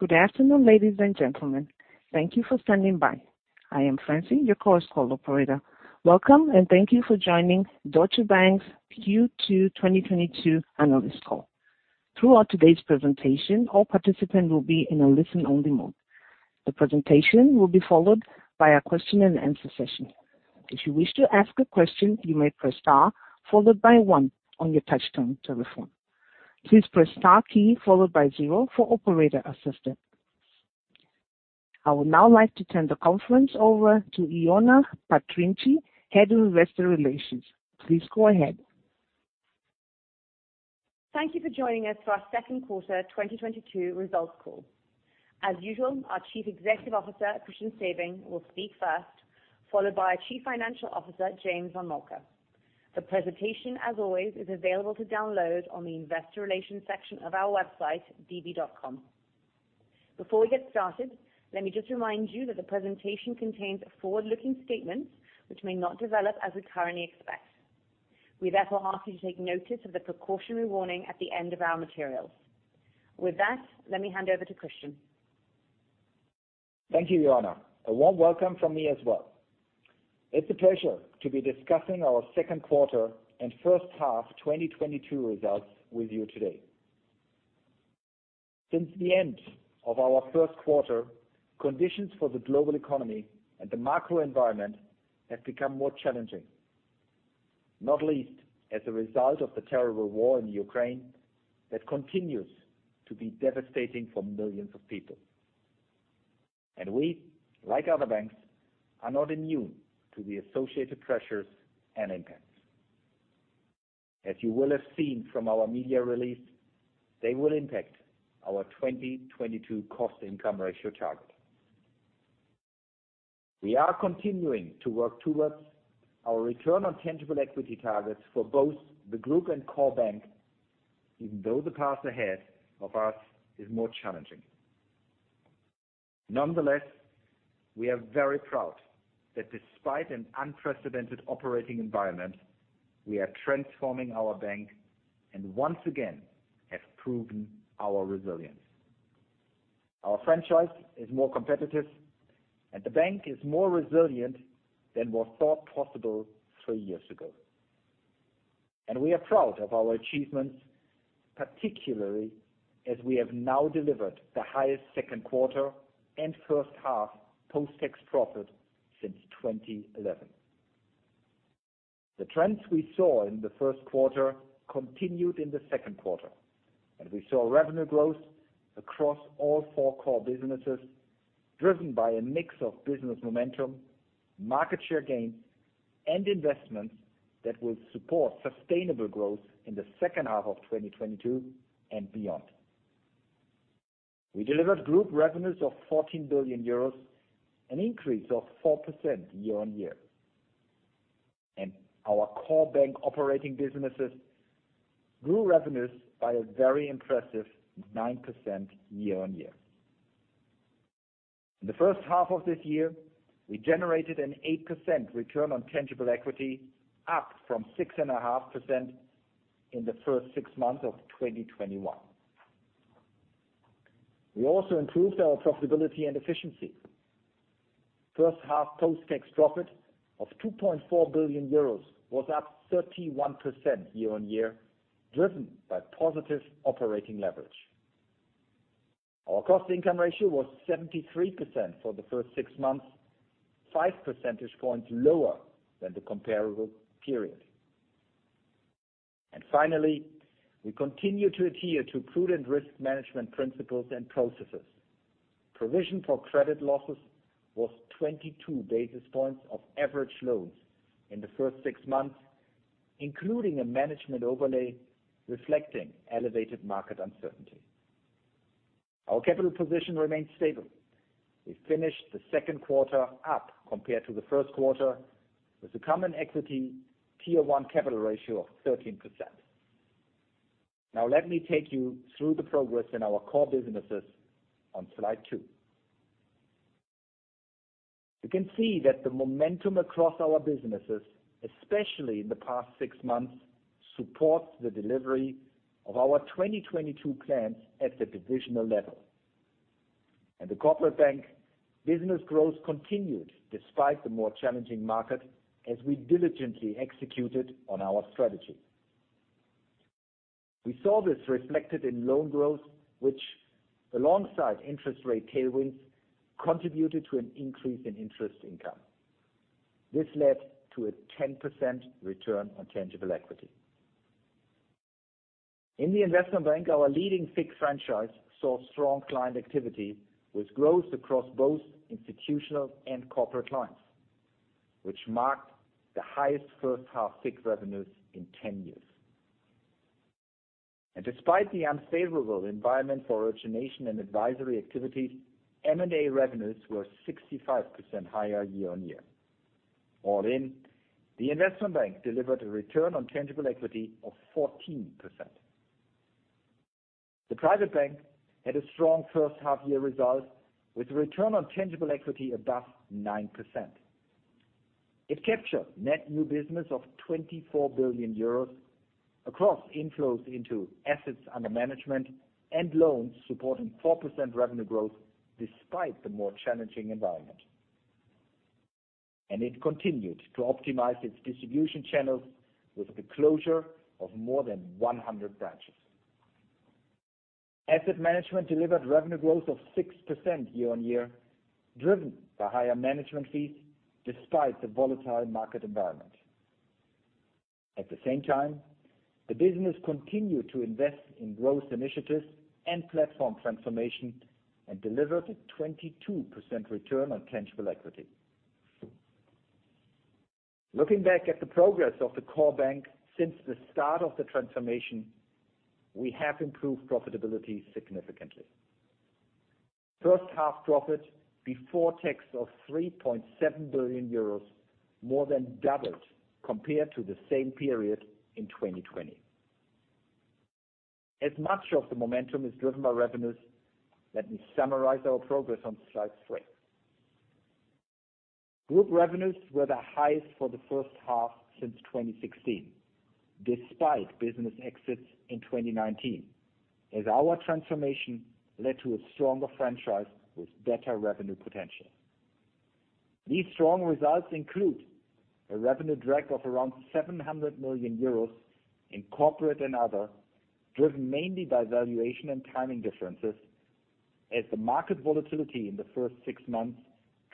Good afternoon, ladies and gentlemen. Thank you for standing by. I am Francine, your call operator. Welcome, and thank you for joining Deutsche Bank's Q2 2022 analyst call. Throughout today's presentation, all participants will be in a listen-only mode. The presentation will be followed by a question and answer session. If you wish to ask a question, you may press star followed by one on your touchtone telephone. Please press star key followed by zero for operator assistance. I would now like to turn the conference over to Ioana Patriniche, Head of Investor Relations. Please go ahead. Thank you for joining us for our second quarter 2022 results call. As usual, our Chief Executive Officer, Christian Sewing, will speak first, followed by our Chief Financial Officer, James von Moltke. The presentation, as always, is available to download on the investor relations section of our website, db.com. Before we get started, let me just remind you that the presentation contains forward-looking statements which may not develop as we currently expect. We therefore ask you to take notice of the precautionary warning at the end of our materials. With that, let me hand over to Christian. Thank you, Ioana. A warm welcome from me as well. It's a pleasure to be discussing our second quarter and first half 2022 results with you today. Since the end of our first quarter, conditions for the global economy and the macro environment have become more challenging, not least as a result of the terrible war in Ukraine that continues to be devastating for millions of people. We, like other banks, are not immune to the associated pressures and impacts. As you will have seen from our media release, they will impact our 2022 cost income ratio target. We are continuing to work towards our return on tangible equity targets for both the group and core bank, even though the path ahead of us is more challenging. Nonetheless, we are very proud that despite an unprecedented operating environment, we are transforming our bank and once again have proven our resilience. Our franchise is more competitive and the bank is more resilient than was thought possible three years ago. We are proud of our achievements, particularly as we have now delivered the highest second quarter and first half post-tax profit since 2011. The trends we saw in the first quarter continued in the second quarter, and we saw revenue growth across all four core businesses, driven by a mix of business momentum, market share gains, and investments that will support sustainable growth in the second half of 2022 and beyond. We delivered group revenues of 14 billion euros, an increase of 4% year-on-year. Our core bank operating businesses grew revenues by a very impressive 9% year-on-year. In the first half of this year, we generated an 8% return on tangible equity, up from 6.5% in the first six months of 2021. We also improved our profitability and efficiency. First half post-tax profit of 2.4 billion euros was up 31% year-on-year, driven by positive operating leverage. Our cost income ratio was 73% for the first six months, 5 percentage points lower than the comparable period. Finally, we continue to adhere to prudent risk management principles and processes. Provision for credit losses was 22 basis points of average loans in the first six months, including a management overlay reflecting elevated market uncertainty. Our capital position remains stable. We finished the second quarter up compared to the first quarter with a common equity tier one capital ratio of 13%. Now let me take you through the progress in our core businesses on slide two. You can see that the momentum across our businesses, especially in the past six months, supports the delivery of our 2022 plans at the divisional level. At the Corporate Bank, business growth continued despite the more challenging market as we diligently executed on our strategy. We saw this reflected in loan growth, which alongside interest rate tailwinds contributed to an increase in interest income. This led to a 10% return on tangible equity. In the investment bank, our leading FICC franchise saw strong client activity with growth across both institutional and corporate clients, which marked the highest first half FICC revenues in 10 years. Despite the unfavorable environment for origination and advisory activity, M&A revenues were 65% higher year-on-year. All in, the investment bank delivered a return on tangible equity of 14%. The private bank had a strong first half-year result with a return on tangible equity above 9%. It captured net new business of 24 billion euros across inflows into assets under management and loans supporting 4% revenue growth despite the more challenging environment. It continued to optimize its distribution channels with the closure of more than 100 branches. Asset management delivered revenue growth of 6% year-on-year, driven by higher management fees despite the volatile market environment. At the same time, the business continued to invest in growth initiatives and platform transformation and delivered a 22% return on tangible equity. Looking back at the progress of the core bank since the start of the transformation, we have improved profitability significantly. First-half profit before tax of 3.7 billion euros more than doubled compared to the same period in 2020. Much of the momentum is driven by revenues. Let me summarize our progress on slide three. Group revenues were the highest for the first half since 2016, despite business exits in 2019, as our transformation led to a stronger franchise with better revenue potential. These strong results include a revenue drag of around 700 million euros in Corporate & Other, driven mainly by valuation and timing differences as the market volatility in the first six months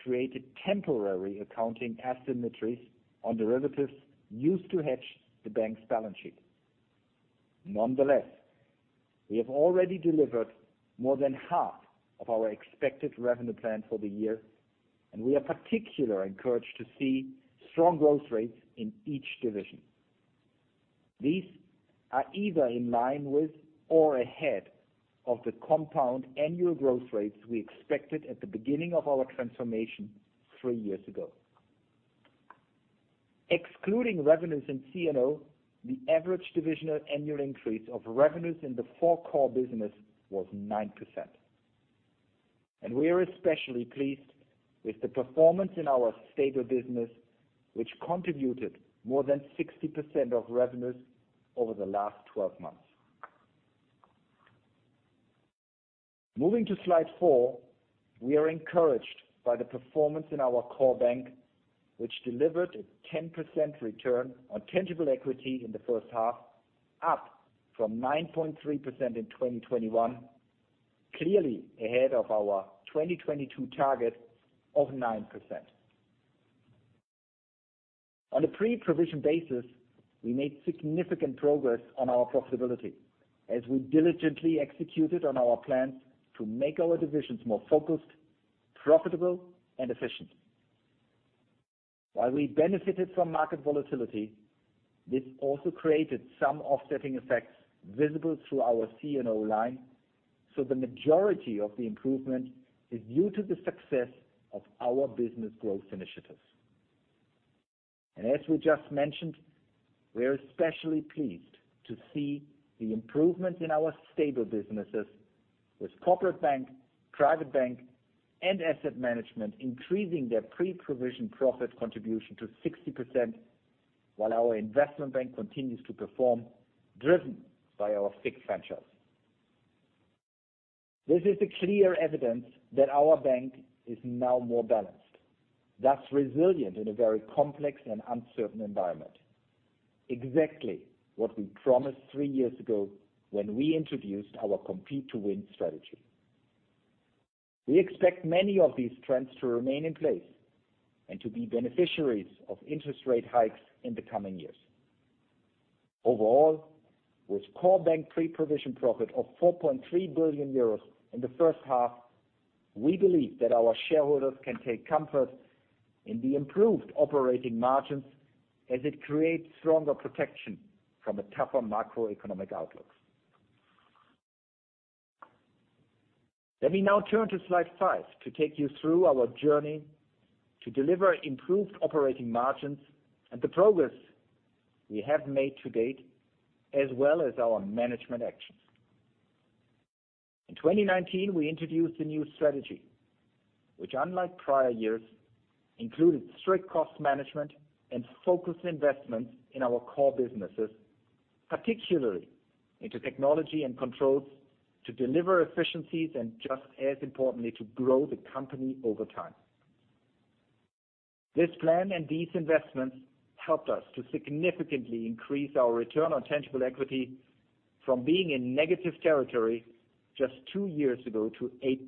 created temporary accounting asymmetries on derivatives used to hedge the bank's balance sheet. Nonetheless, we have already delivered more than half of our expected revenue plan for the year, and we are particularly encouraged to see strong growth rates in each division. These are either in line with or ahead of the compound annual growth rates we expected at the beginning of our transformation three years ago. Excluding revenues in C&O, the average divisional annual increase of revenues in the four core business was 9%. We are especially pleased with the performance in our stable business, which contributed more than 60% of revenues over the last 12 months. Moving to slide four, we are encouraged by the performance in our core bank, which delivered a 10% return on tangible equity in the first half, up from 9.3% in 2021, clearly ahead of our 2022 target of 9%. On a pre-provision basis, we made significant progress on our profitability as we diligently executed on our plans to make our divisions more focused, profitable, and efficient. While we benefited from market volatility, this also created some offsetting effects visible through our C&O line, so the majority of the improvement is due to the success of our business growth initiatives. As we just mentioned, we are especially pleased to see the improvement in our stable businesses with Corporate Bank, Private Bank, and Asset Management increasing their pre-provision profit contribution to 60%, while our Investment Bank continues to perform, driven by our FICC franchise. This is a clear evidence that our bank is now more balanced, thus resilient in a very complex and uncertain environment. Exactly what we promised three years ago when we introduced our Compete to Win strategy. We expect many of these trends to remain in place and to be beneficiaries of interest rate hikes in the coming years. Overall, with core bank pre-provision profit of 4.3 billion euros in the first half, we believe that our shareholders can take comfort in the improved operating margins as it creates stronger protection from a tougher macroeconomic outlook. Let me now turn to slide five to take you through our journey to deliver improved operating margins and the progress we have made to date, as well as our management actions. In 2019, we introduced a new strategy, which unlike prior years, included strict cost management and focused investments in our core businesses, particularly into technology and controls to deliver efficiencies and just as importantly, to grow the company over time. This plan and these investments helped us to significantly increase our return on tangible equity from being in negative territory just two years ago to 8%,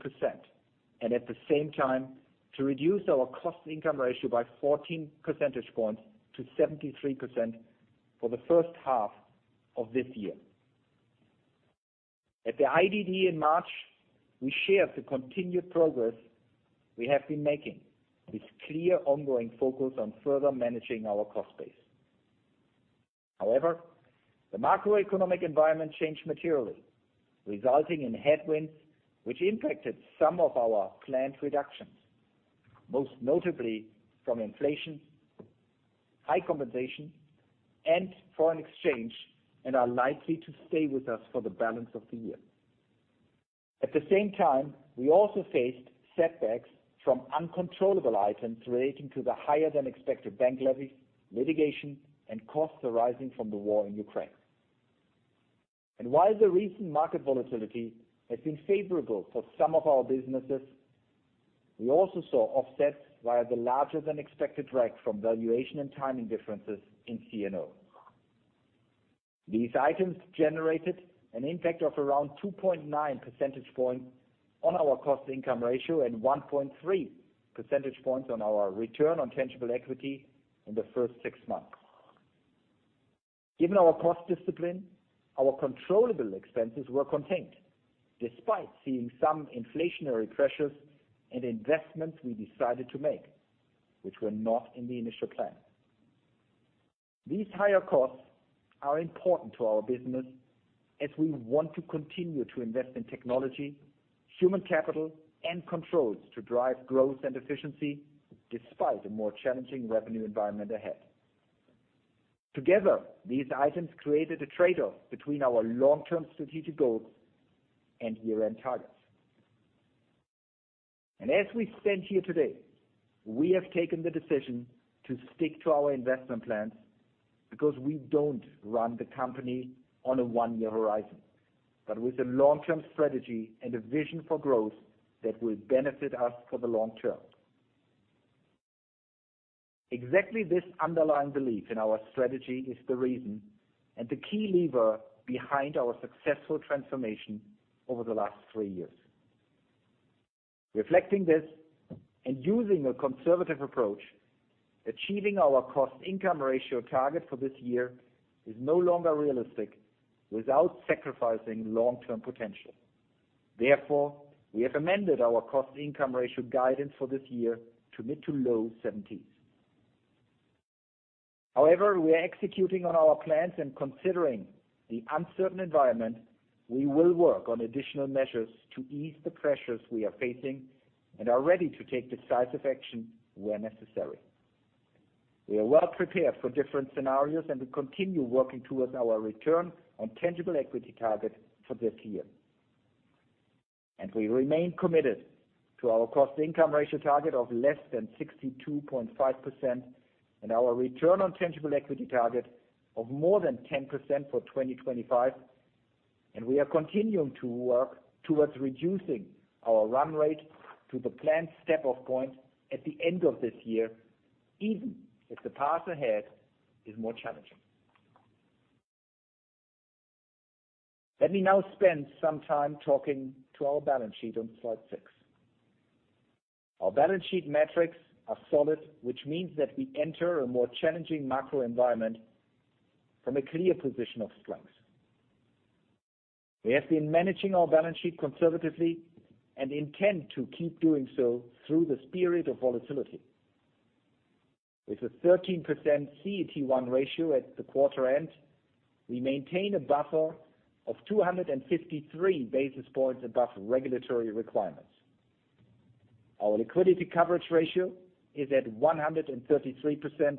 and at the same time to reduce our cost income ratio by 14 percentage points to 73% for the first half of this year. At the IDD in March, we shared the continued progress we have been making with clear ongoing focus on further managing our cost base. However, the macroeconomic environment changed materially, resulting in headwinds which impacted some of our planned reductions, most notably from inflation, high compensation, and foreign exchange, and are likely to stay with us for the balance of the year. At the same time, we also faced setbacks from uncontrollable items relating to the higher than expected bank levies, litigation, and costs arising from the war in Ukraine. While the recent market volatility has been favorable for some of our businesses, we also saw offsets via the larger than expected drag from valuation and timing differences in C&O. These items generated an impact of around 2.9 percentage points on our cost income ratio and 1.3 percentage points on our return on tangible equity in the first six months. Given our cost discipline, our controllable expenses were contained despite seeing some inflationary pressures and investments we decided to make which were not in the initial plan. These higher costs are important to our business as we want to continue to invest in technology, human capital and controls to drive growth and efficiency despite a more challenging revenue environment ahead. Together, these items created a trade-off between our long-term strategic goals and year-end targets. As we stand here today, we have taken the decision to stick to our investment plans because we don't run the company on a one-year horizon, but with a long-term strategy and a vision for growth that will benefit us for the long term. Exactly this underlying belief in our strategy is the reason and the key lever behind our successful transformation over the last three years. Reflecting this and using a conservative approach, achieving our cost-income ratio target for this year is no longer realistic without sacrificing long-term potential. Therefore, we have amended our cost-income ratio guidance for this year to mid- to low 70s%. However, we are executing on our plans and considering the uncertain environment, we will work on additional measures to ease the pressures we are facing and are ready to take decisive action where necessary. We are well prepared for different scenarios, and we continue working towards our return on tangible equity target for this year. We remain committed to our cost income ratio target of less than 62.5% and our return on tangible equity target of more than 10% for 2025, and we are continuing to work towards reducing our run rate to the planned step off point at the end of this year, even if the path ahead is more challenging. Let me now spend some time talking about our balance sheet on slide six. Our balance sheet metrics are solid, which means that we enter a more challenging macro environment from a clear position of strength. We have been managing our balance sheet conservatively and intend to keep doing so through this period of volatility. With a 13% CET1 ratio at the quarter end, we maintain a buffer of 253 basis points above regulatory requirements. Our liquidity coverage ratio is at 133%,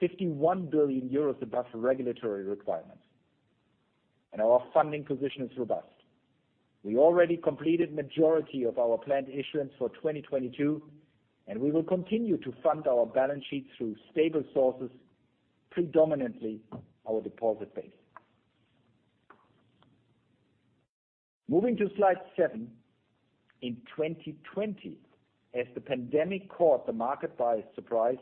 51 billion euros above regulatory requirements, and our funding position is robust. We already completed majority of our planned issuance for 2022, and we will continue to fund our balance sheet through stable sources, predominantly our deposit base. Moving to slide seven. In 2020, as the pandemic caught the market by surprise,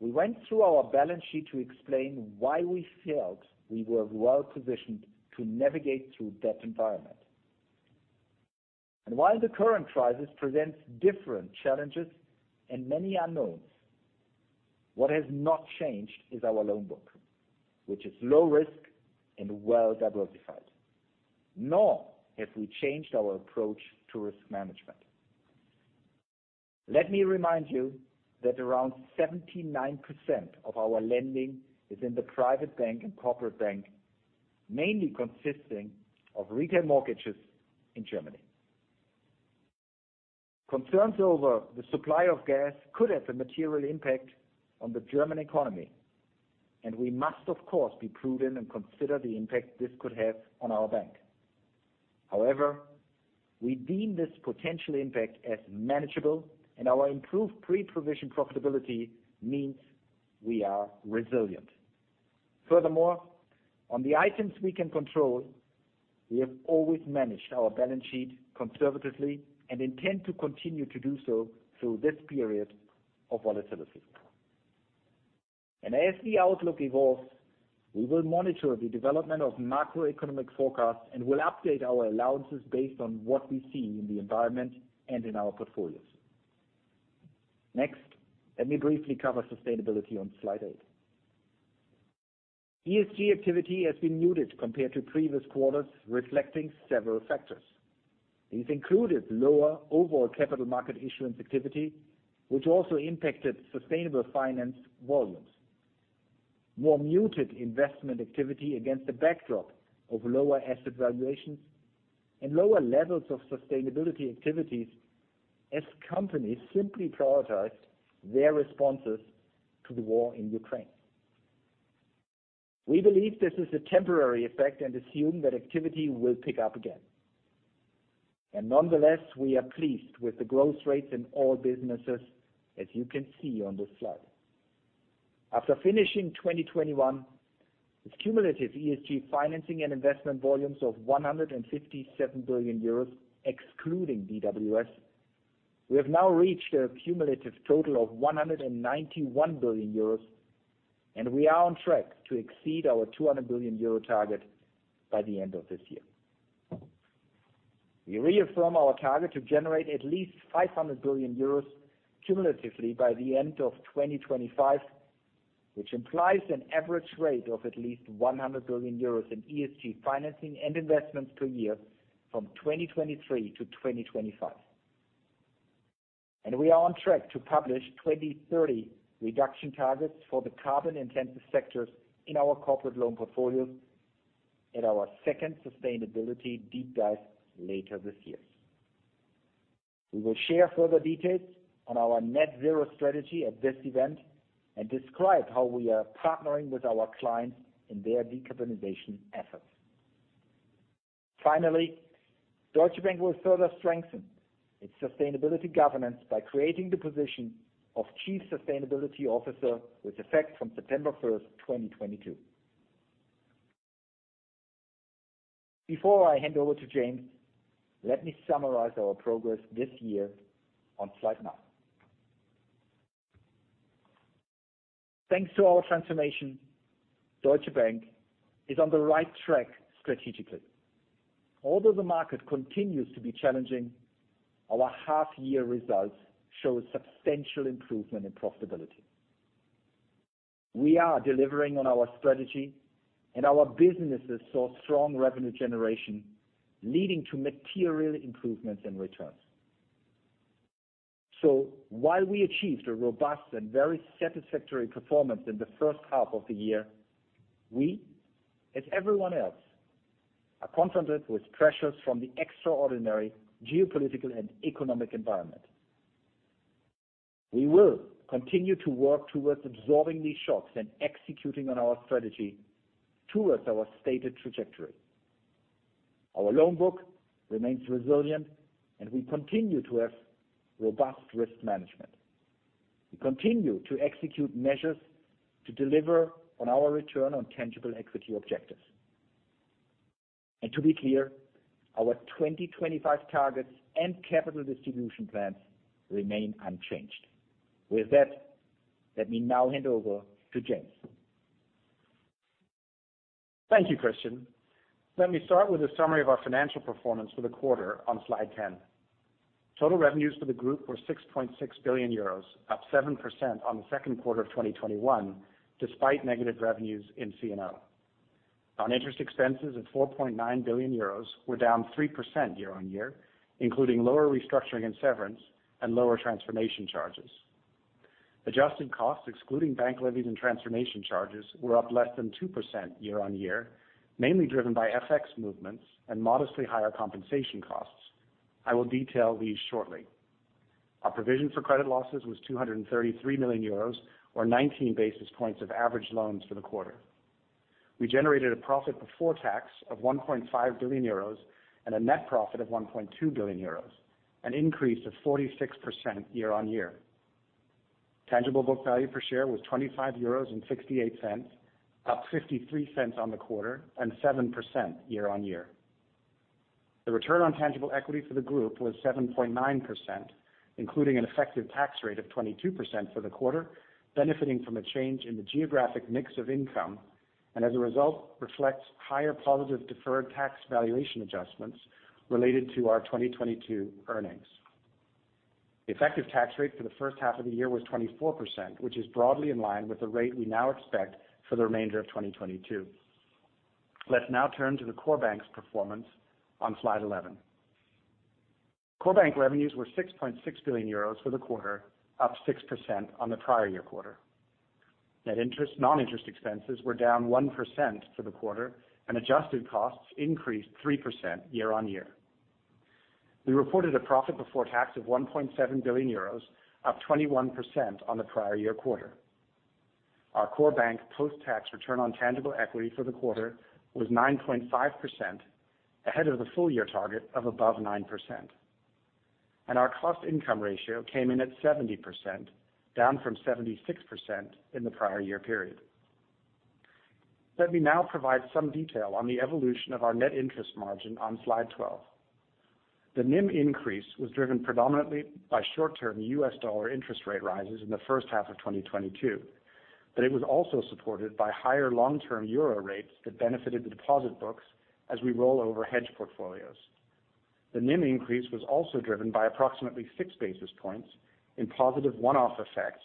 we went through our balance sheet to explain why we felt we were well positioned to navigate through that environment. While the current crisis presents different challenges and many unknowns, what has not changed is our loan book, which is low risk and well diversified. Nor have we changed our approach to risk management. Let me remind you that around 79% of our lending is in the Private Bank and Corporate Bank, mainly consisting of retail mortgages in Germany. Concerns over the supply of gas could have a material impact on the German economy, and we must of course, be prudent and consider the impact this could have on our bank. However, we deem this potential impact as manageable and our improved pre-provision profitability means we are resilient. Furthermore, on the items we can control, we have always managed our balance sheet conservatively and intend to continue to do so through this period of volatility. As the outlook evolves, we will monitor the development of macroeconomic forecasts and will update our allowances based on what we see in the environment and in our portfolios. Next, let me briefly cover sustainability on slide eight. ESG activity has been muted compared to previous quarters, reflecting several factors. These included lower overall capital market issuance activity, which also impacted sustainable finance volumes, more muted investment activity against the backdrop of lower asset valuations and lower levels of sustainability activities as companies simply prioritized their responses to the war in Ukraine. We believe this is a temporary effect and assume that activity will pick up again. Nonetheless, we are pleased with the growth rates in all businesses, as you can see on this slide. After finishing 2021, its cumulative ESG financing and investment volumes of 157 billion euros, excluding DWS, we have now reached a cumulative total of 191 billion euros, and we are on track to exceed our 200 billion euro target by the end of this year. We reaffirm our target to generate at least 500 billion euros cumulatively by the end of 2025, which implies an average rate of at least 100 billion euros in ESG financing and investments per year from 2023 to 2025. We are on track to publish 2030 reduction targets for the carbon-intensive sectors in our corporate loan portfolio at our second sustainability deep dive later this year. We will share further details on our net zero strategy at this event and describe how we are partnering with our clients in their decarbonization efforts. Finally, Deutsche Bank will further strengthen its sustainability governance by creating the position of Chief Sustainability Officer with effect from September 1st, 2022. Before I hand over to James, let me summarize our progress this year on slide nine. Thanks to our transformation, Deutsche Bank is on the right track strategically. Although the market continues to be challenging, our half year results show a substantial improvement in profitability. We are delivering on our strategy and our businesses saw strong revenue generation, leading to material improvements in returns. While we achieved a robust and very satisfactory performance in the first half of the year, we, as everyone else, are confronted with pressures from the extraordinary geopolitical and economic environment. We will continue to work towards absorbing these shocks and executing on our strategy towards our stated trajectory. Our loan book remains resilient, and we continue to have robust risk management. We continue to execute measures to deliver on our return on tangible equity objectives. To be clear, our 2025 targets and capital distribution plans remain unchanged. With that, let me now hand over to James von Moltke. Thank you, Christian. Let me start with a summary of our financial performance for the quarter on slide 10. Total revenues for the group were 6.6 billion euros, up 7% on the second quarter of 2021, despite negative revenues in C&O. Non-interest expenses of 4.9 billion euros were down 3% year-on-year, including lower restructuring and severance and lower transformation charges. Adjusted costs, excluding bank levies and transformation charges, were up less than 2% year-on-year, mainly driven by FX movements and modestly higher compensation costs. I will detail these shortly. Our provision for credit losses was 233 million euros, or 19 basis points of average loans for the quarter. We generated a profit before tax of 1.5 billion euros and a net profit of 1.2 billion euros, an increase of 46% year-on-year. Tangible book value per share was 25.68 euros, up 0.53 on the quarter and 7% year-on-year. The return on tangible equity for the group was 7.9%, including an effective tax rate of 22% for the quarter, benefiting from a change in the geographic mix of income, and as a result, reflects higher positive deferred tax valuation adjustments related to our 2022 earnings. The effective tax rate for the first half of the year was 24%, which is broadly in line with the rate we now expect for the remainder of 2022. Let's now turn to the core bank's performance on slide 11. Core bank revenues were 6.6 billion euros for the quarter, up 6% on the prior-year quarter. Net interest and non-interest expenses were down 1% for the quarter, and adjusted costs increased 3% year-on-year. We reported a profit before tax of 1.7 billion euros, up 21% on the prior-year quarter. Our core bank post-tax return on tangible equity for the quarter was 9.5%, ahead of the full-year target of above 9%. Our cost income ratio came in at 70%, down from 76% in the prior-year period. Let me now provide some detail on the evolution of our net interest margin on slide 12. The NIM increase was driven predominantly by short-term U.S. dollar interest rate rises in the first half of 2022, but it was also supported by higher long-term euro rates that benefited the deposit books as we roll over hedge portfolios. The NIM increase was also driven by approximately 6 basis points in positive one-off effects,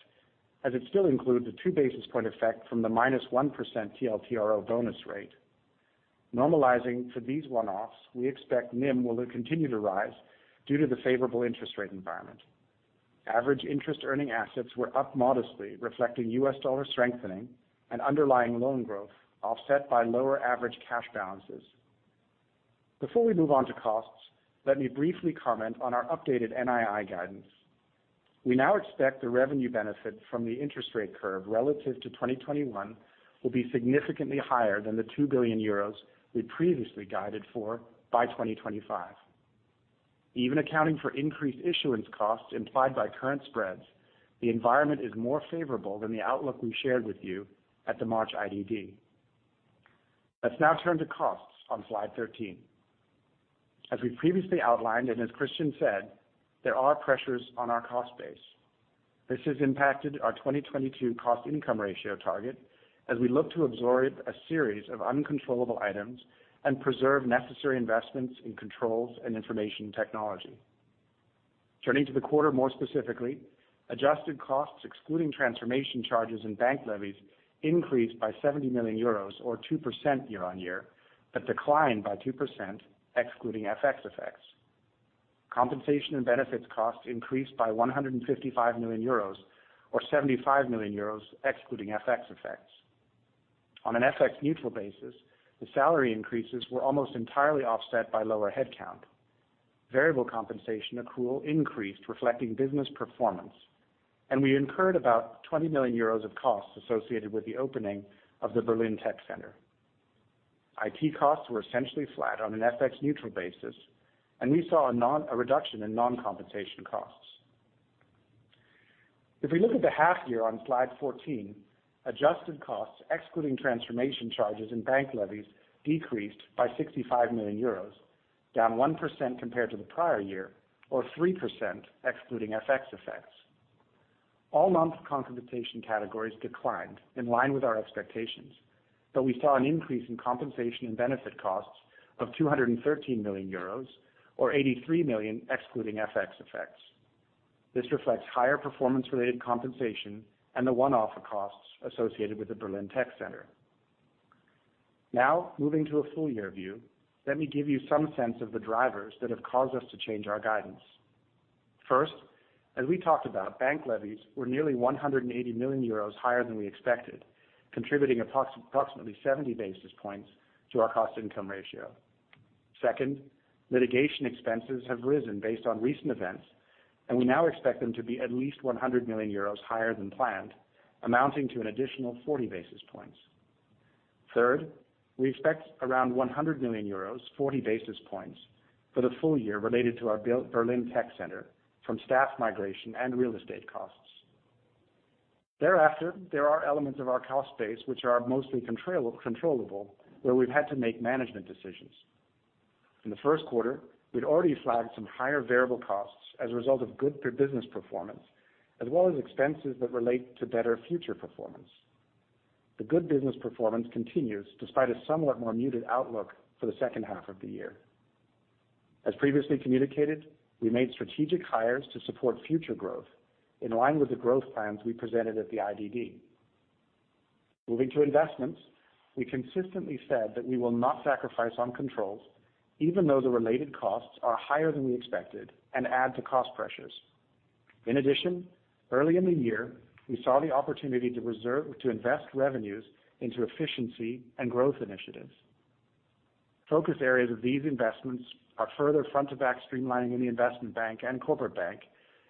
as it still includes a 2-basis-point effect from the -1% TLTRO bonus rate. Normalizing for these one-offs, we expect NIM will continue to rise due to the favorable interest rate environment. Average interest earning assets were up modestly reflecting U.S. dollar strengthening and underlying loan growth offset by lower average cash balances. Before we move on to costs, let me briefly comment on our updated NII guidance. We now expect the revenue benefit from the interest rate curve relative to 2021 will be significantly higher than the 2 billion euros we previously guided for by 2025. Even accounting for increased issuance costs implied by current spreads, the environment is more favorable than the outlook we shared with you at the March IDD. Let's now turn to costs on slide 13. As we previously outlined, and as Christian said, there are pressures on our cost base. This has impacted our 2022 cost income ratio target as we look to absorb a series of uncontrollable items and preserve necessary investments in controls and information technology. Turning to the quarter more specifically, adjusted costs excluding transformation charges and bank levies increased by 70 million euros or 2% year-on-year, but declined by 2% excluding FX effects. Compensation and benefits costs increased by 155 million euros or 75 million euros excluding FX effects. On an FX neutral basis, the salary increases were almost entirely offset by lower head count. Variable compensation accrual increased reflecting business performance, and we incurred about 20 million euros of costs associated with the opening of the Berlin Tech Center. IT costs were essentially flat on an FX neutral basis, and we saw a reduction in non-compensation costs. If we look at the half year on slide 14, adjusted costs excluding transformation charges and bank levies decreased by 65 million euros, down 1% compared to the prior year or 3% excluding FX effects. All non-compensation categories declined in line with our expectations, but we saw an increase in compensation and benefit costs of 213 million euros or 83 million excluding FX effects. This reflects higher performance-related compensation and the one-off costs associated with the Berlin Tech Center. Now moving to a full year view, let me give you some sense of the drivers that have caused us to change our guidance. First, as we talked about, bank levies were nearly 180 million euros higher than we expected, contributing approximately 70 basis points to our cost income ratio. Second, litigation expenses have risen based on recent events, and we now expect them to be at least 100 million euros higher than planned, amounting to an additional 40 basis points. Third, we expect around 100 million euros, 40 basis points for the full year related to our Berlin Tech Center from staff migration and real estate costs. Thereafter, there are elements of our cost base which are mostly controllable, where we've had to make management decisions. In the first quarter, we'd already flagged some higher variable costs as a result of good per business performance, as well as expenses that relate to better future performance. The good business performance continues despite a somewhat more muted outlook for the second half of the year. As previously communicated, we made strategic hires to support future growth in line with the growth plans we presented at the IDD. Moving to investments, we consistently said that we will not sacrifice on controls even though the related costs are higher than we expected and add to cost pressures. In addition, early in the year, we saw the opportunity to invest revenues into efficiency and growth initiatives. Focus areas of these investments are further front to back streamlining in the investment bank and Corporate Bank,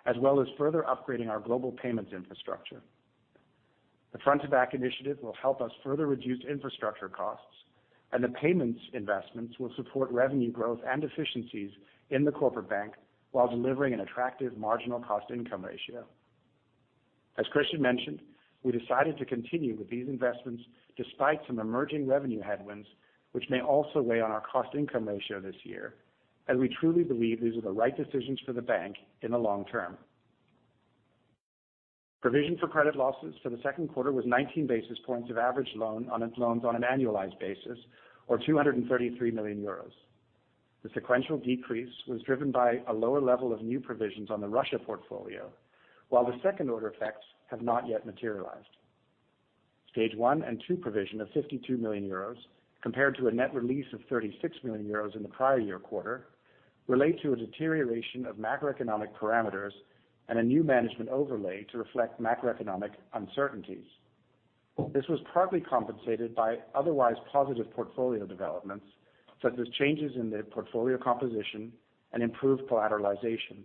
as well as further upgrading our global payments infrastructure. The front to back initiative will help us further reduce infrastructure costs, and the payments investments will support revenue growth and efficiencies in the Corporate Bank while delivering an attractive marginal cost-income ratio. As Christian mentioned, we decided to continue with these investments despite some emerging revenue headwinds, which may also weigh on our cost-income ratio this year, and we truly believe these are the right decisions for the bank in the long term. Provision for credit losses for the second quarter was 19 basis points of average loans outstanding on an annualized basis, or 233 million euros. The sequential decrease was driven by a lower level of new provisions on the Russia portfolio, while the second-order effects have not yet materialized. Stage one and two provision of 52 million euros compared to a net release of 36 million euros in the prior year quarter relate to a deterioration of macroeconomic parameters and a new management overlay to reflect macroeconomic uncertainties. This was partly compensated by otherwise positive portfolio developments, such as changes in the portfolio composition and improved collateralization.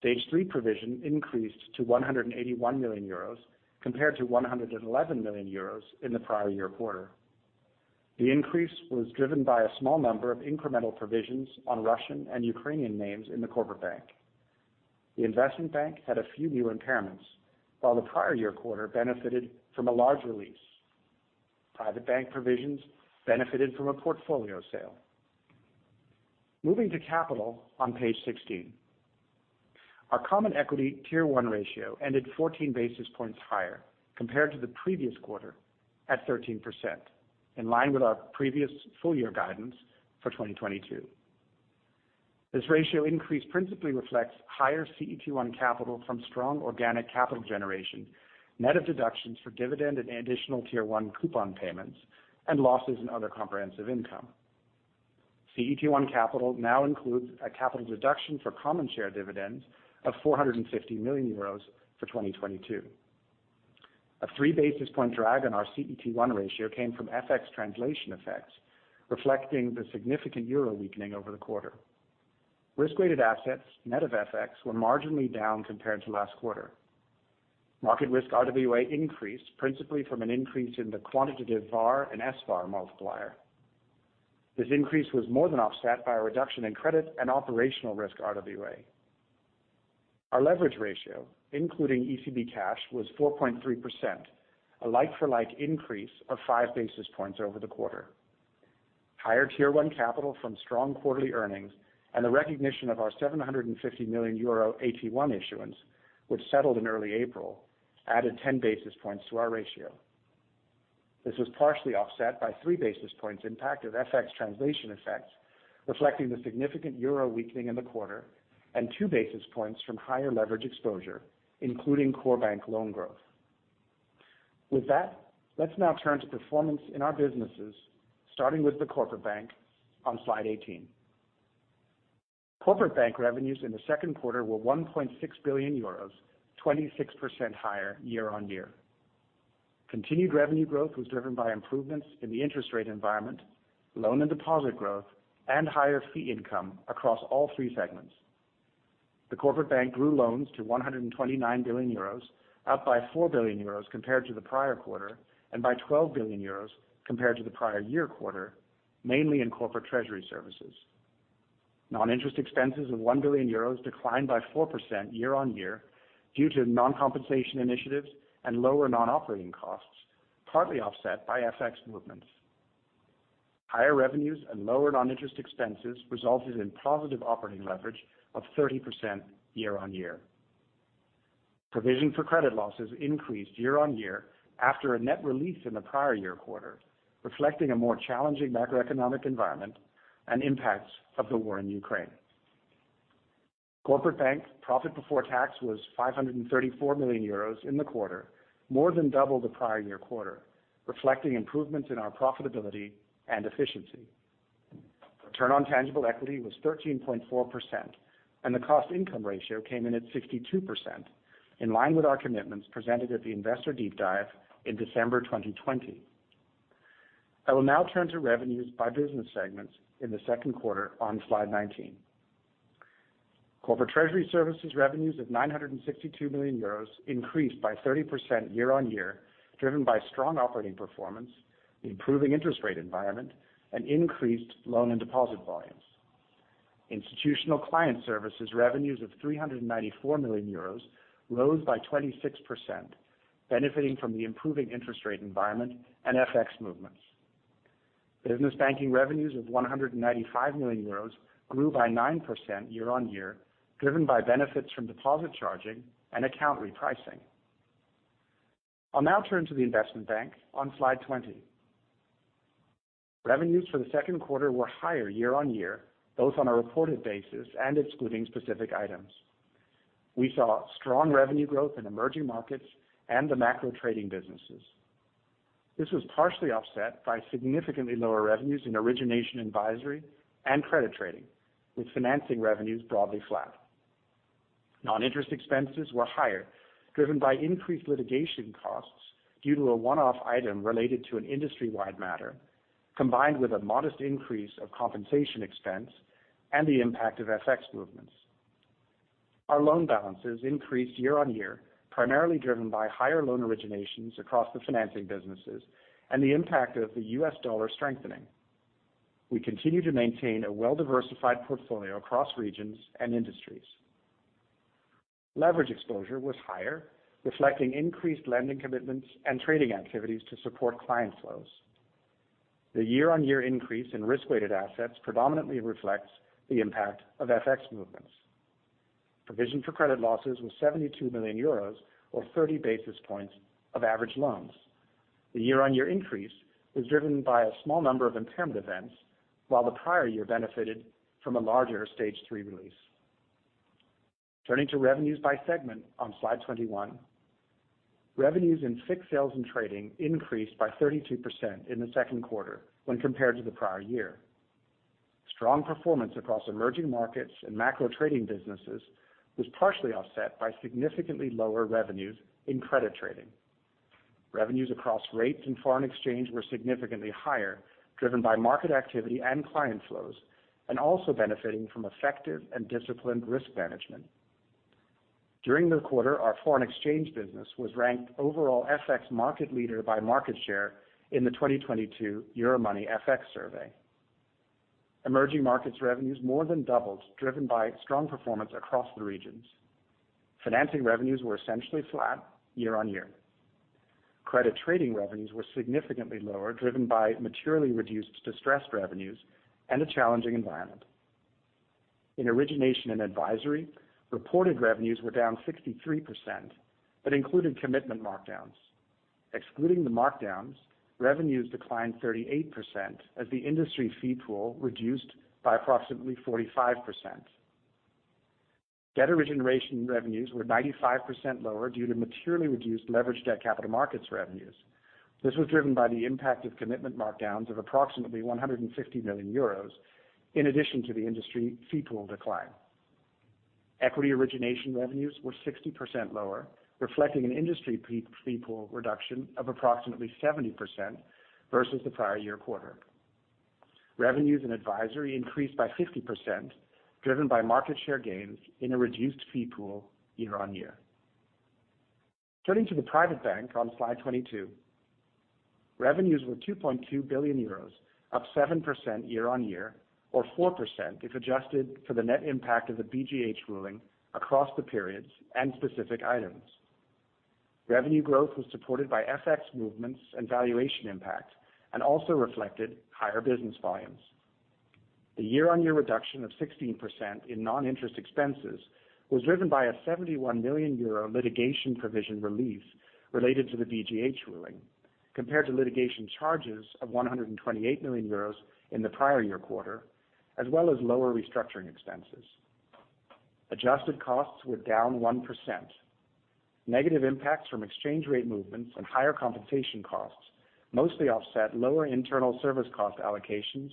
Stage three provision increased to 181 million euros compared to 111 million euros in the prior year quarter. The increase was driven by a small number of incremental provisions on Russian and Ukrainian names in the Corporate Bank. The investment bank had a few new impairments, while the prior year quarter benefited from a large release. Private Bank provisions benefited from a portfolio sale. Moving to capital on page 16. Our Common Equity Tier 1 ratio ended 14 basis points higher compared to the previous quarter at 13%, in line with our previous full-year guidance for 2022. This ratio increase principally reflects higher CET1 capital from strong organic capital generation, net of deductions for dividend and Additional Tier 1 coupon payments and losses in other comprehensive income. CET1 capital now includes a capital deduction for common share dividends of 450 million euros for 2022. A 3 basis point drag on our CET1 ratio came from FX translation effects, reflecting the significant euro weakening over the quarter. Risk-weighted assets net of FX were marginally down compared to last quarter. Market risk RWA increased principally from an increase in the quantitative VAR and SVAR multiplier. This increase was more than offset by a reduction in credit and operational risk RWA. Our leverage ratio, including ECB cash, was 4.3%, a like-for-like increase of 5 basis points over the quarter. Higher Tier 1 capital from strong quarterly earnings and the recognition of our 750 million euro AT1 issuance, which settled in early April, added 10 basis points to our ratio. This was partially offset by 3 basis points impact of FX translation effects, reflecting the significant euro weakening in the quarter and 2 basis points from higher leverage exposure, including core bank loan growth. With that, let's now turn to performance in our businesses, starting with the Corporate Bank on slide 18. Corporate Bank revenues in the second quarter were 1.6 billion euros, 26% higher year-on-year. Continued revenue growth was driven by improvements in the interest rate environment, loan and deposit growth, and higher fee income across all three segments. The Corporate Bank grew loans to 129 billion euros, up by 4 billion euros compared to the prior quarter and by 12 billion euros compared to the prior year quarter, mainly in Corporate Treasury Services. Non-interest expenses of 1 billion euros declined by 4% year-on-year due to non-compensation initiatives and lower non-operating costs, partly offset by FX movements. Higher revenues and lower non-interest expenses resulted in positive operating leverage of 30% year-on-year. Provision for credit losses increased year-on-year after a net release in the prior year quarter, reflecting a more challenging macroeconomic environment and impacts of the war in Ukraine. Corporate Bank profit before tax was 534 million euros in the quarter, more than double the prior year quarter, reflecting improvements in our profitability and efficiency. Return on tangible equity was 13.4%, and the cost income ratio came in at 62%, in line with our commitments presented at the investor deep dive in December 2020. I will now turn to revenues by business segments in the second quarter on slide 19. Corporate Treasury Services revenues of 962 million euros increased by 30% year-on-year, driven by strong operating performance, improving interest rate environment and increased loan and deposit volumes. Institutional Client Services revenues of 394 million euros rose by 26%, benefiting from the improving interest rate environment and FX movements. Business Banking revenues of 195 million euros grew by 9% year-on-year, driven by benefits from deposit charging and account repricing. I'll now turn to the Investment Bank on slide 20. Revenues for the second quarter were higher year-on-year, both on a reported basis and excluding specific items. We saw strong revenue growth in emerging markets and the macro trading businesses. This was partially offset by significantly lower revenues in origination advisory and credit trading, with financing revenues broadly flat. Non-interest expenses were higher, driven by increased litigation costs due to a one-off item related to an industry-wide matter, combined with a modest increase of compensation expense and the impact of FX movements. Our loan balances increased year-on-year, primarily driven by higher loan originations across the financing businesses and the impact of the U.S. dollar strengthening. We continue to maintain a well-diversified portfolio across regions and industries. Leverage exposure was higher, reflecting increased lending commitments and trading activities to support client flows. The year-on-year increase in risk-weighted assets predominantly reflects the impact of FX movements. Provision for credit losses was 72 million euros, or 30 basis points of average loans. The year-on-year increase was driven by a small number of impairment events, while the prior year benefited from a larger Stage 3 release. Turning to revenues by segment on slide 21. Revenues in FICC sales and trading increased by 32% in the second quarter when compared to the prior year. Strong performance across emerging markets and macro trading businesses was partially offset by significantly lower revenues in credit trading. Revenues across rates and foreign exchange were significantly higher, driven by market activity and client flows, and also benefiting from effective and disciplined risk management. During the quarter, our foreign exchange business was ranked overall FX market leader by market share in the 2022 Euromoney FX Survey. Emerging markets revenues more than doubled, driven by strong performance across the regions. Financing revenues were essentially flat year-on-year. Credit trading revenues were significantly lower, driven by materially reduced distressed revenues and a challenging environment. In origination and advisory, reported revenues were down 63%, but included commitment markdowns. Excluding the markdowns, revenues declined 38% as the industry fee pool reduced by approximately 45%. Debt origination revenues were 95% lower due to materially reduced leverage debt capital markets revenues. This was driven by the impact of commitment markdowns of approximately 150 million euros in addition to the industry fee pool decline. Equity origination revenues were 60% lower, reflecting an industry fee pool reduction of approximately 70% versus the prior year quarter. M&A and advisory increased by 50%, driven by market share gains in a reduced fee pool year-on-year. Turning to the private bank on slide 22. Revenues were 2.2 billion euros, up 7% year-on-year or 4% if adjusted for the net impact of the BGH ruling across the periods and specific items. Revenue growth was supported by FX movements and valuation impact, and also reflected higher business volumes. The year-on-year reduction of 16% in non-interest expenses was driven by a 71 million euro litigation provision relief related to the BGH ruling, compared to litigation charges of 128 million euros in the prior year quarter, as well as lower restructuring expenses. Adjusted costs were down 1%. Negative impacts from exchange rate movements and higher compensation costs mostly offset lower internal service cost allocations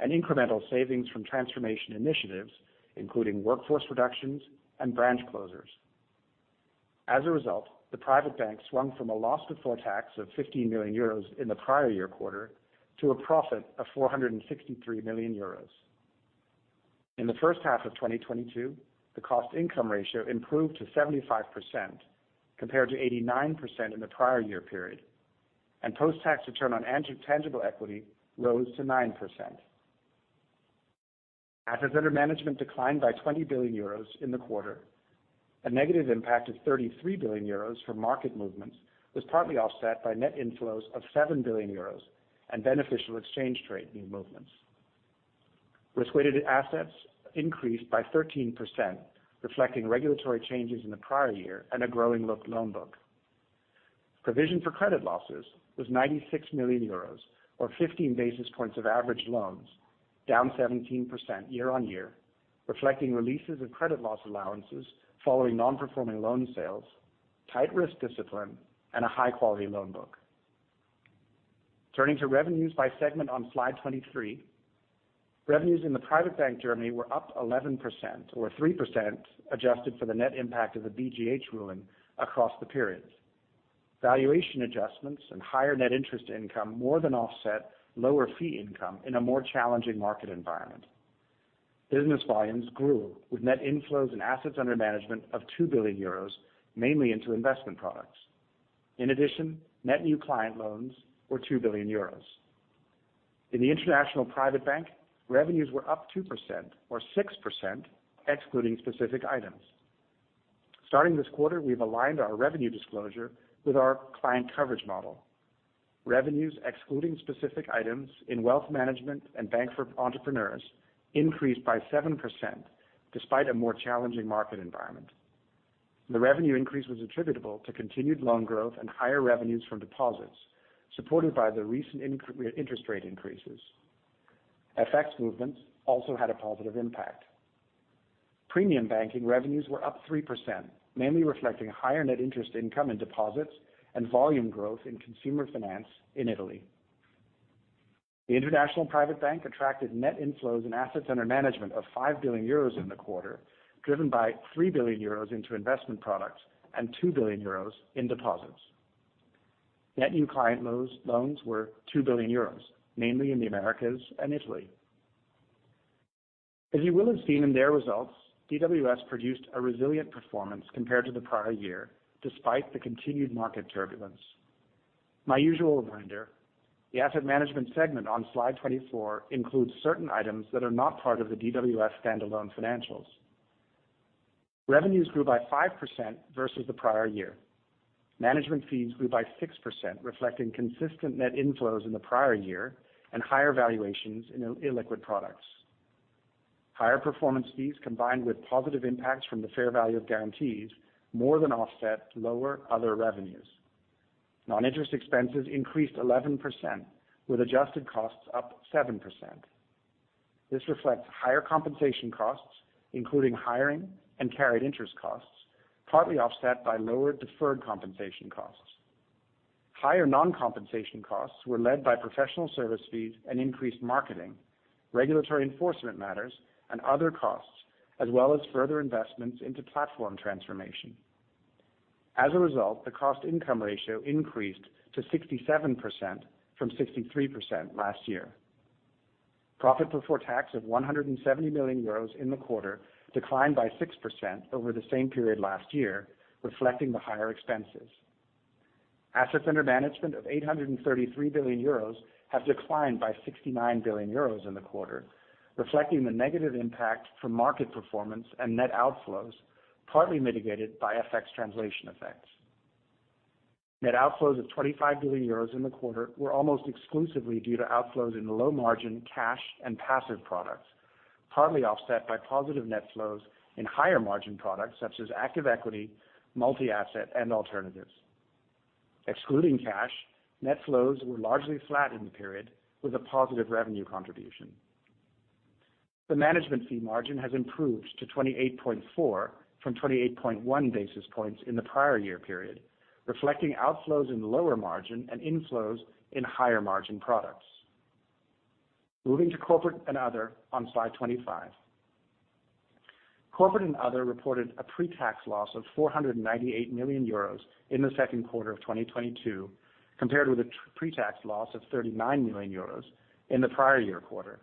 and incremental savings from transformation initiatives, including workforce reductions and branch closures. As a result, the private bank swung from a loss before tax of 15 million euros in the prior year quarter to a profit of 463 million euros. In the first half of 2022, the cost-income ratio improved to 75% compared to 89% in the prior year period, and post-tax return on tangible equity rose to 9%. Assets under management declined by 20 billion euros in the quarter. A negative impact of 33 billion euros from market movements was partly offset by net inflows of 7 billion euros and beneficial exchange rate movements. Risk-weighted assets increased by 13%, reflecting regulatory changes in the prior year and a growing loan book. Provision for credit losses was 96 million euros or 15 basis points of average loans, down 17% year-on-year, reflecting releases of credit loss allowances following non-performing loan sales, tight risk discipline, and a high-quality loan book. Turning to revenues by segment on slide 23. Revenues in the Private Bank Germany were up 11% or 3% adjusted for the net impact of the BGH ruling across the periods. Valuation adjustments and higher net interest income more than offset lower fee income in a more challenging market environment. Business volumes grew with net inflows and assets under management of 2 billion euros, mainly into investment products. In addition, net new client loans were 2 billion euros. In the International Private Bank, revenues were up 2% or 6%, excluding specific items. Starting this quarter, we've aligned our revenue disclosure with our client coverage model. Revenues, excluding specific items in wealth management and bank for entrepreneurs, increased by 7% despite a more challenging market environment. The revenue increase was attributable to continued loan growth and higher revenues from deposits, supported by the recent interest rate increases. FX movements also had a positive impact. Premium banking revenues were up 3%, mainly reflecting higher net interest income in deposits and volume growth in consumer finance in Italy. The International Private Bank attracted net inflows and assets under management of 5 billion euros in the quarter, driven by 3 billion euros into investment products and 2 billion euros in deposits. Net new client loans were 2 billion euros, mainly in the Americas and Italy. As you will have seen in their results, DWS produced a resilient performance compared to the prior year, despite the continued market turbulence. My usual reminder, the asset management segment on slide 24 includes certain items that are not part of the DWS standalone financials. Revenues grew by 5% versus the prior year. Management fees grew by 6%, reflecting consistent net inflows in the prior year and higher valuations in illiquid products. Higher performance fees, combined with positive impacts from the fair value of guarantees, more than offset lower other revenues. Non-interest expenses increased 11%, with adjusted costs up 7%. This reflects higher compensation costs, including hiring and carried interest costs, partly offset by lower deferred compensation costs. Higher non-compensation costs were led by professional service fees and increased marketing, regulatory enforcement matters and other costs, as well as further investments into platform transformation. As a result, the cost income ratio increased to 67% from 63% last year. Profit before tax of 170 million euros in the quarter declined by 6% over the same period last year, reflecting the higher expenses. Assets under management of 833 billion euros have declined by 69 billion euros in the quarter, reflecting the negative impact from market performance and net outflows, partly mitigated by FX translation effects. Net outflows of 25 billion euros in the quarter were almost exclusively due to outflows in low margin cash and passive products, partly offset by positive net flows in higher margin products such as active equity, multi-asset, and alternatives. Excluding cash, net flows were largely flat in the period with a positive revenue contribution. The management fee margin has improved to 28.4 from 28.1 basis points in the prior year period, reflecting outflows in lower margin and inflows in higher margin products. Moving to Corporate and Other on slide 25. Corporate and Other reported a pre-tax loss of 498 million euros in the second quarter of 2022, compared with a pre-tax loss of 39 million euros in the prior year quarter.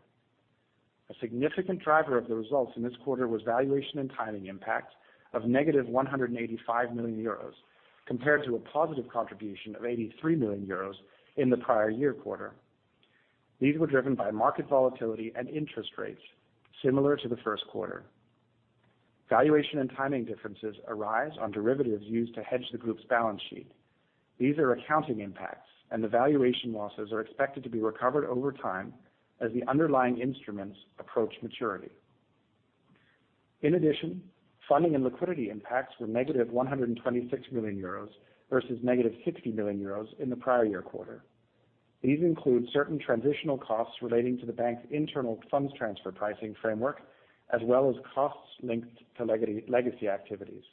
A significant driver of the results in this quarter was valuation and timing impact of -185 million euros compared to a positive contribution of 83 million euros in the prior year quarter. These were driven by market volatility and interest rates similar to the first quarter. Valuation and timing differences arise on derivatives used to hedge the group's balance sheet. These are accounting impacts, and the valuation losses are expected to be recovered over time as the underlying instruments approach maturity. In addition, funding and liquidity impacts were negative 126 million euros versus negative 60 million euros in the prior year quarter. These include certain transitional costs relating to the bank's internal funds transfer pricing framework, as well as costs linked to legacy activities.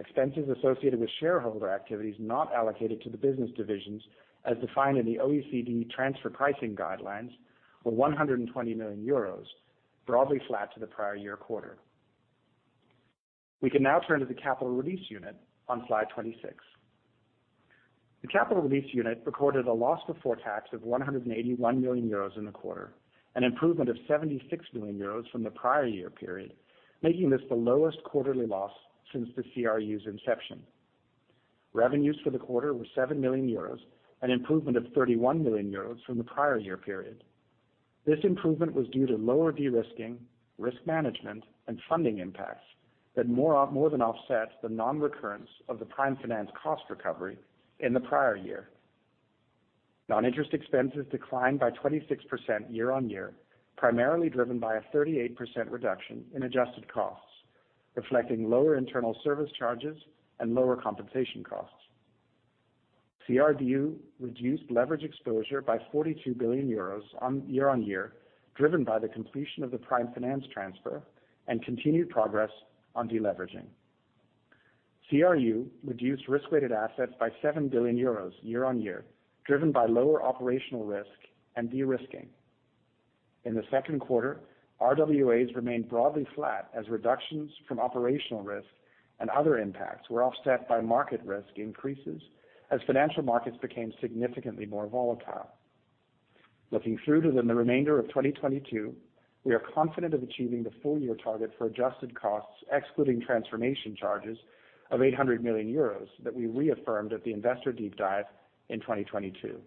Expenses associated with shareholder activities not allocated to the business divisions as defined in the OECD transfer pricing guidelines were 120 million euros, broadly flat to the prior year quarter. We can now turn to the Capital Release Unit on slide 26. The Capital Release Unit recorded a loss before tax of 181 million euros in the quarter, an improvement of 76 million euros from the prior year period, making this the lowest quarterly loss since the CRU's inception. Revenues for the quarter were 7 million euros, an improvement of 31 million euros from the prior year period. This improvement was due to lower de-risking, risk management, and funding impacts that more than offset the non-recurrence of the Prime Finance cost recovery in the prior year. Non-interest expenses declined by 26% year-on-year, primarily driven by a 38% reduction in adjusted costs, reflecting lower internal service charges and lower compensation costs. CRU reduced leverage exposure by 42 billion euros year-on-year, driven by the completion of the Prime Finance transfer and continued progress on de-leveraging. CRU reduced risk-weighted assets by 7 billion euros year-on-year, driven by lower operational risk and de-risking. In the second quarter, RWAs remained broadly flat as reductions from operational risk and other impacts were offset by market risk increases as financial markets became significantly more volatile. Looking through to the remainder of 2022, we are confident of achieving the full year target for adjusted costs, excluding transformation charges of 800 million euros that we reaffirmed at the Investor Deep Dive in 2022.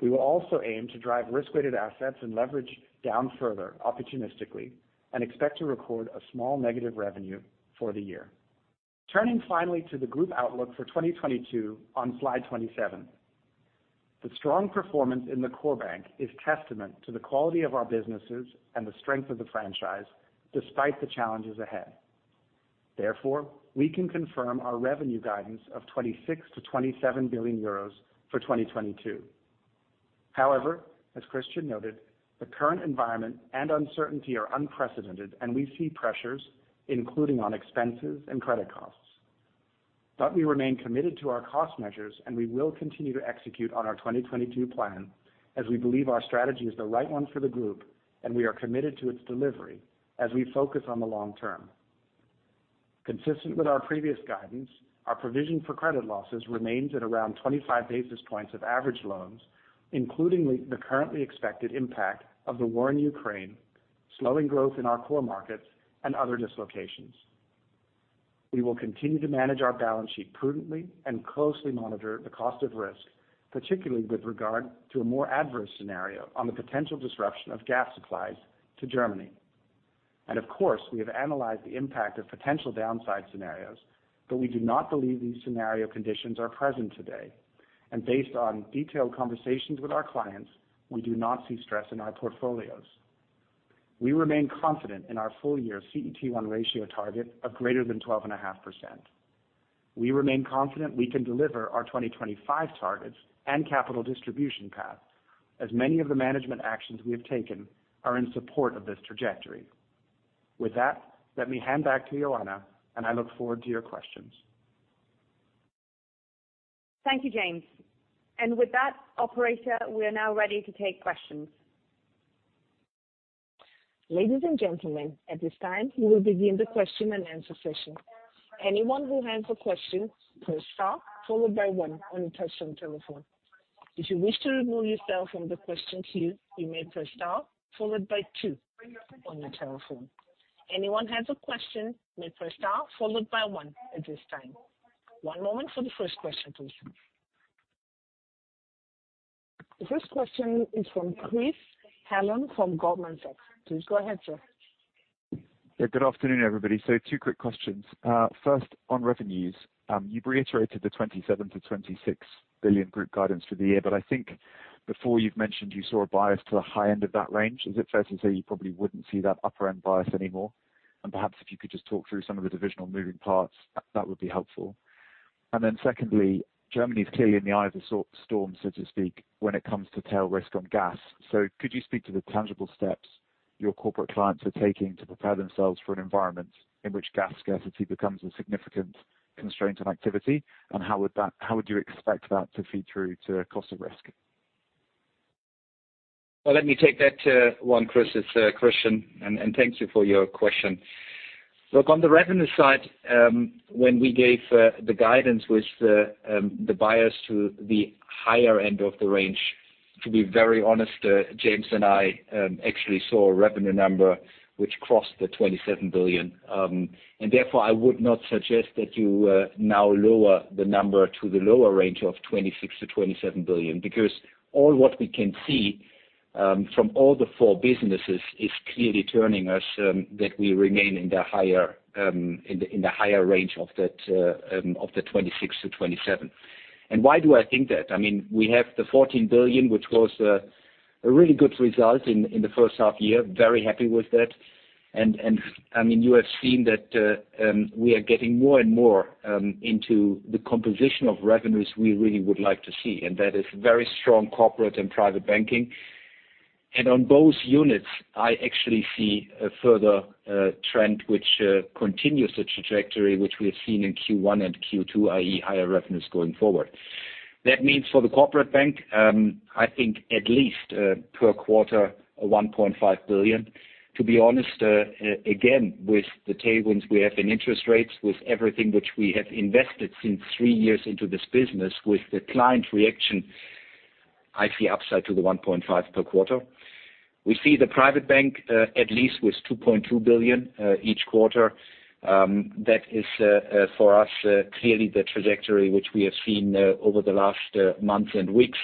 We will also aim to drive risk-weighted assets and leverage down further opportunistically and expect to record a small negative revenue for the year. Turning finally to the group outlook for 2022 on slide 27. The strong performance in the core bank is testament to the quality of our businesses and the strength of the franchise despite the challenges ahead. Therefore, we can confirm our revenue guidance of 26 billion-27 billion euros for 2022. However, as Christian noted, the current environment and uncertainty are unprecedented, and we see pressures, including on expenses and credit costs. We remain committed to our cost measures, and we will continue to execute on our 2022 plan as we believe our strategy is the right one for the group, and we are committed to its delivery as we focus on the long term. Consistent with our previous guidance, our provision for credit losses remains at around 25 basis points of average loans, including the currently expected impact of the war in Ukraine, slowing growth in our core markets and other dislocations. We will continue to manage our balance sheet prudently and closely monitor the cost of risk, particularly with regard to a more adverse scenario on the potential disruption of gas supplies to Germany. Of course, we have analyzed the impact of potential downside scenarios, but we do not believe these scenario conditions are present today. Based on detailed conversations with our clients, we do not see stress in our portfolios. We remain confident in our full year CET1 ratio target of greater than 12.5%. We remain confident we can deliver our 2025 targets and capital distribution path, as many of the management actions we have taken are in support of this trajectory. With that, let me hand back to Ioana, and I look forward to your questions. Thank you, James. With that, operator, we are now ready to take questions. Ladies and gentlemen, at this time, we will begin the question and answer session. Anyone who has a question, press star followed by one on your touchtone telephone. If you wish to remove yourself from the question queue, you may press star followed by two on your telephone. Anyone has a question may press star followed by one at this time. One moment for the first question, please. The first question is from Chris Hallam from Goldman Sachs. Please go ahead, sir. Yeah, good afternoon, everybody. Two quick questions. First, on revenues, you've reiterated the 27 billion-26 billion group guidance for the year. I think before you've mentioned you saw a bias to the high end of that range. Is it fair to say you probably wouldn't see that upper end bias anymore? Perhaps if you could just talk through some of the divisional moving parts, that would be helpful. Secondly, Germany is clearly in the eye of the storm, so to speak, when it comes to tail risk on gas. Could you speak to the tangible steps your corporate clients are taking to prepare themselves for an environment in which gas scarcity becomes a significant constraint on activity, and how would you expect that to feed through to cost of risk? Well, let me take that one, Chris's question, and thank you for your question. Look, on the revenue side, when we gave the guidance with the bias to the higher end of the range, to be very honest, James and I actually saw a revenue number which crossed the 27 billion. Therefore, I would not suggest that you now lower the number to the lower range of 26-27 billion because all what we can see from all the four businesses is clearly telling us that we remain in the higher range of that of the 26-27 billion. Why do I think that? I mean, we have the 14 billion, which was a really good result in the first half year. Very happy with that. I mean, you have seen that, we are getting more and more, into the composition of revenues we really would like to see, and that is very strong Corporate and Private Bank. On both units, I actually see a further, trend which, continues the trajectory which we have seen in Q1 and Q2, i.e., higher revenues going forward. That means for the Corporate Bank, I think at least, per quarter, 1.5 billion. To be honest, again, with the tailwinds we have in interest rates, with everything which we have invested since three years into this business, with the client reaction, I see upside to the 1.5 billion per quarter. We see the Private Bank, at least with 2.2 billion, each quarter. That is, for us, clearly the trajectory which we have seen over the last months and weeks.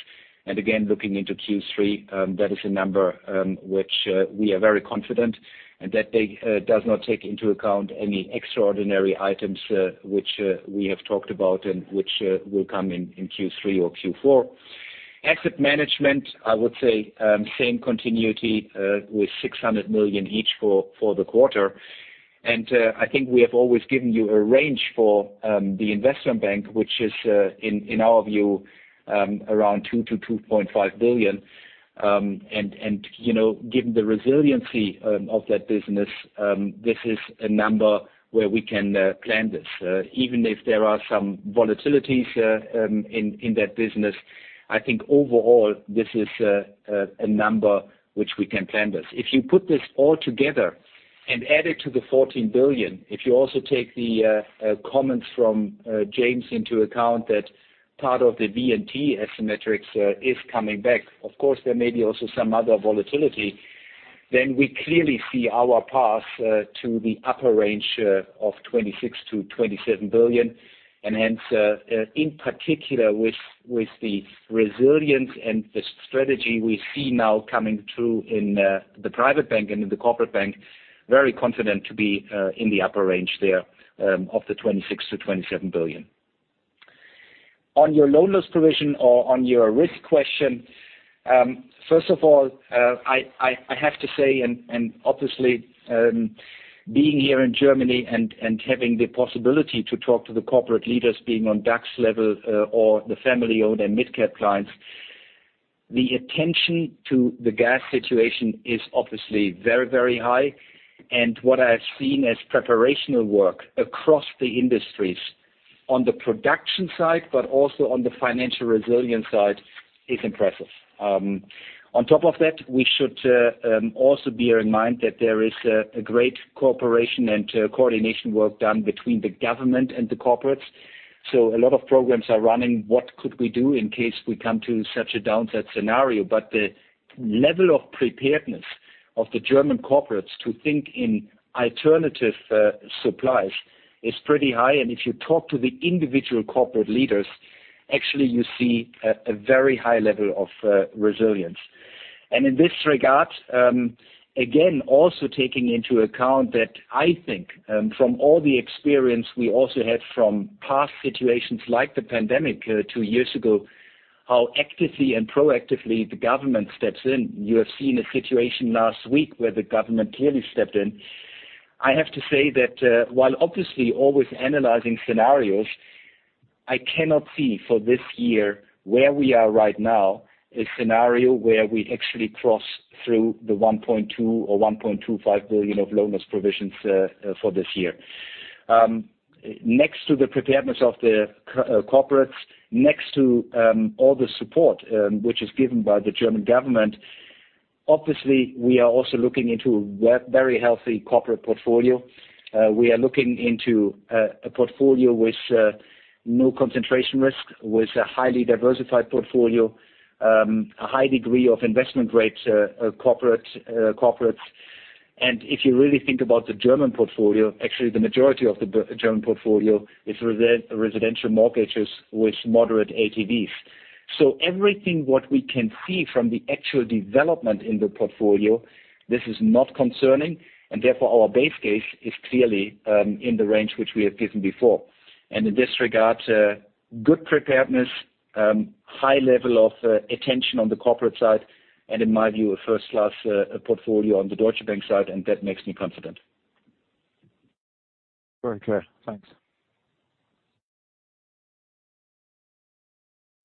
Again, looking into Q3, that is a number which we are very confident and that they does not take into account any extraordinary items which we have talked about and which will come in Q3 or Q4. Asset management, I would say, same continuity, with 600 million each for the quarter. I think we have always given you a range for the investment bank, which is, in our view, around 2 billion-2.5 billion. You know, given the resiliency of that business, this is a number where we can plan this. Even if there are some volatilities in that business, I think overall this is a number which we can plan this. If you put this all together and add it to the 14 billion, if you also take the comments from James into account that part of the V&T asset metrics is coming back, of course, there may be also some other volatility, then we clearly see our path to the upper range of 26 billion-27 billion. Hence, in particular with the resilience and the strategy we see now coming through in the Private Bank and in the Corporate Bank, very confident to be in the upper range there of the 26 billion-27 billion. On your loan loss provision or on your risk question, first of all, I have to say and obviously, being here in Germany and having the possibility to talk to the corporate leaders being on DAX level, or the family-owned and midcap clients, the attention to the gas situation is obviously very, very high. What I have seen as preparatory work across the industries on the production side, but also on the financial resilience side, is impressive. On top of that, we should also bear in mind that there is a great cooperation and coordination work done between the government and the corporates. A lot of programs are running, what could we do in case we come to such a downside scenario? The level of preparedness of the German corporates to think in alternative supplies is pretty high. If you talk to the individual corporate leaders, actually you see a very high level of resilience. In this regard, again, also taking into account that I think, from all the experience we also had from past situations like the pandemic two years ago, how actively and proactively the government steps in. You have seen a situation last week where the government clearly stepped in. I have to say that, while obviously always analyzing scenarios, I cannot see for this year where we are right now a scenario where we actually cross through the 1.2 billion or 1.25 billion of loan loss provisions for this year. Next to the preparedness of the corporates, next to all the support which is given by the German government, obviously, we are also looking into a very healthy corporate portfolio. We are looking into a portfolio with no concentration risk, with a highly diversified portfolio, a high degree of investment-grade corporates. If you really think about the German portfolio, actually the majority of the German portfolio is residential mortgages with moderate LTVs. Everything what we can see from the actual development in the portfolio, this is not concerning, and therefore our base case is clearly in the range which we have given before. In this regard, good preparedness, high level of attention on the corporate side, and in my view, a first-class portfolio on the Deutsche Bank side, and that makes me confident. Very clear. Thanks.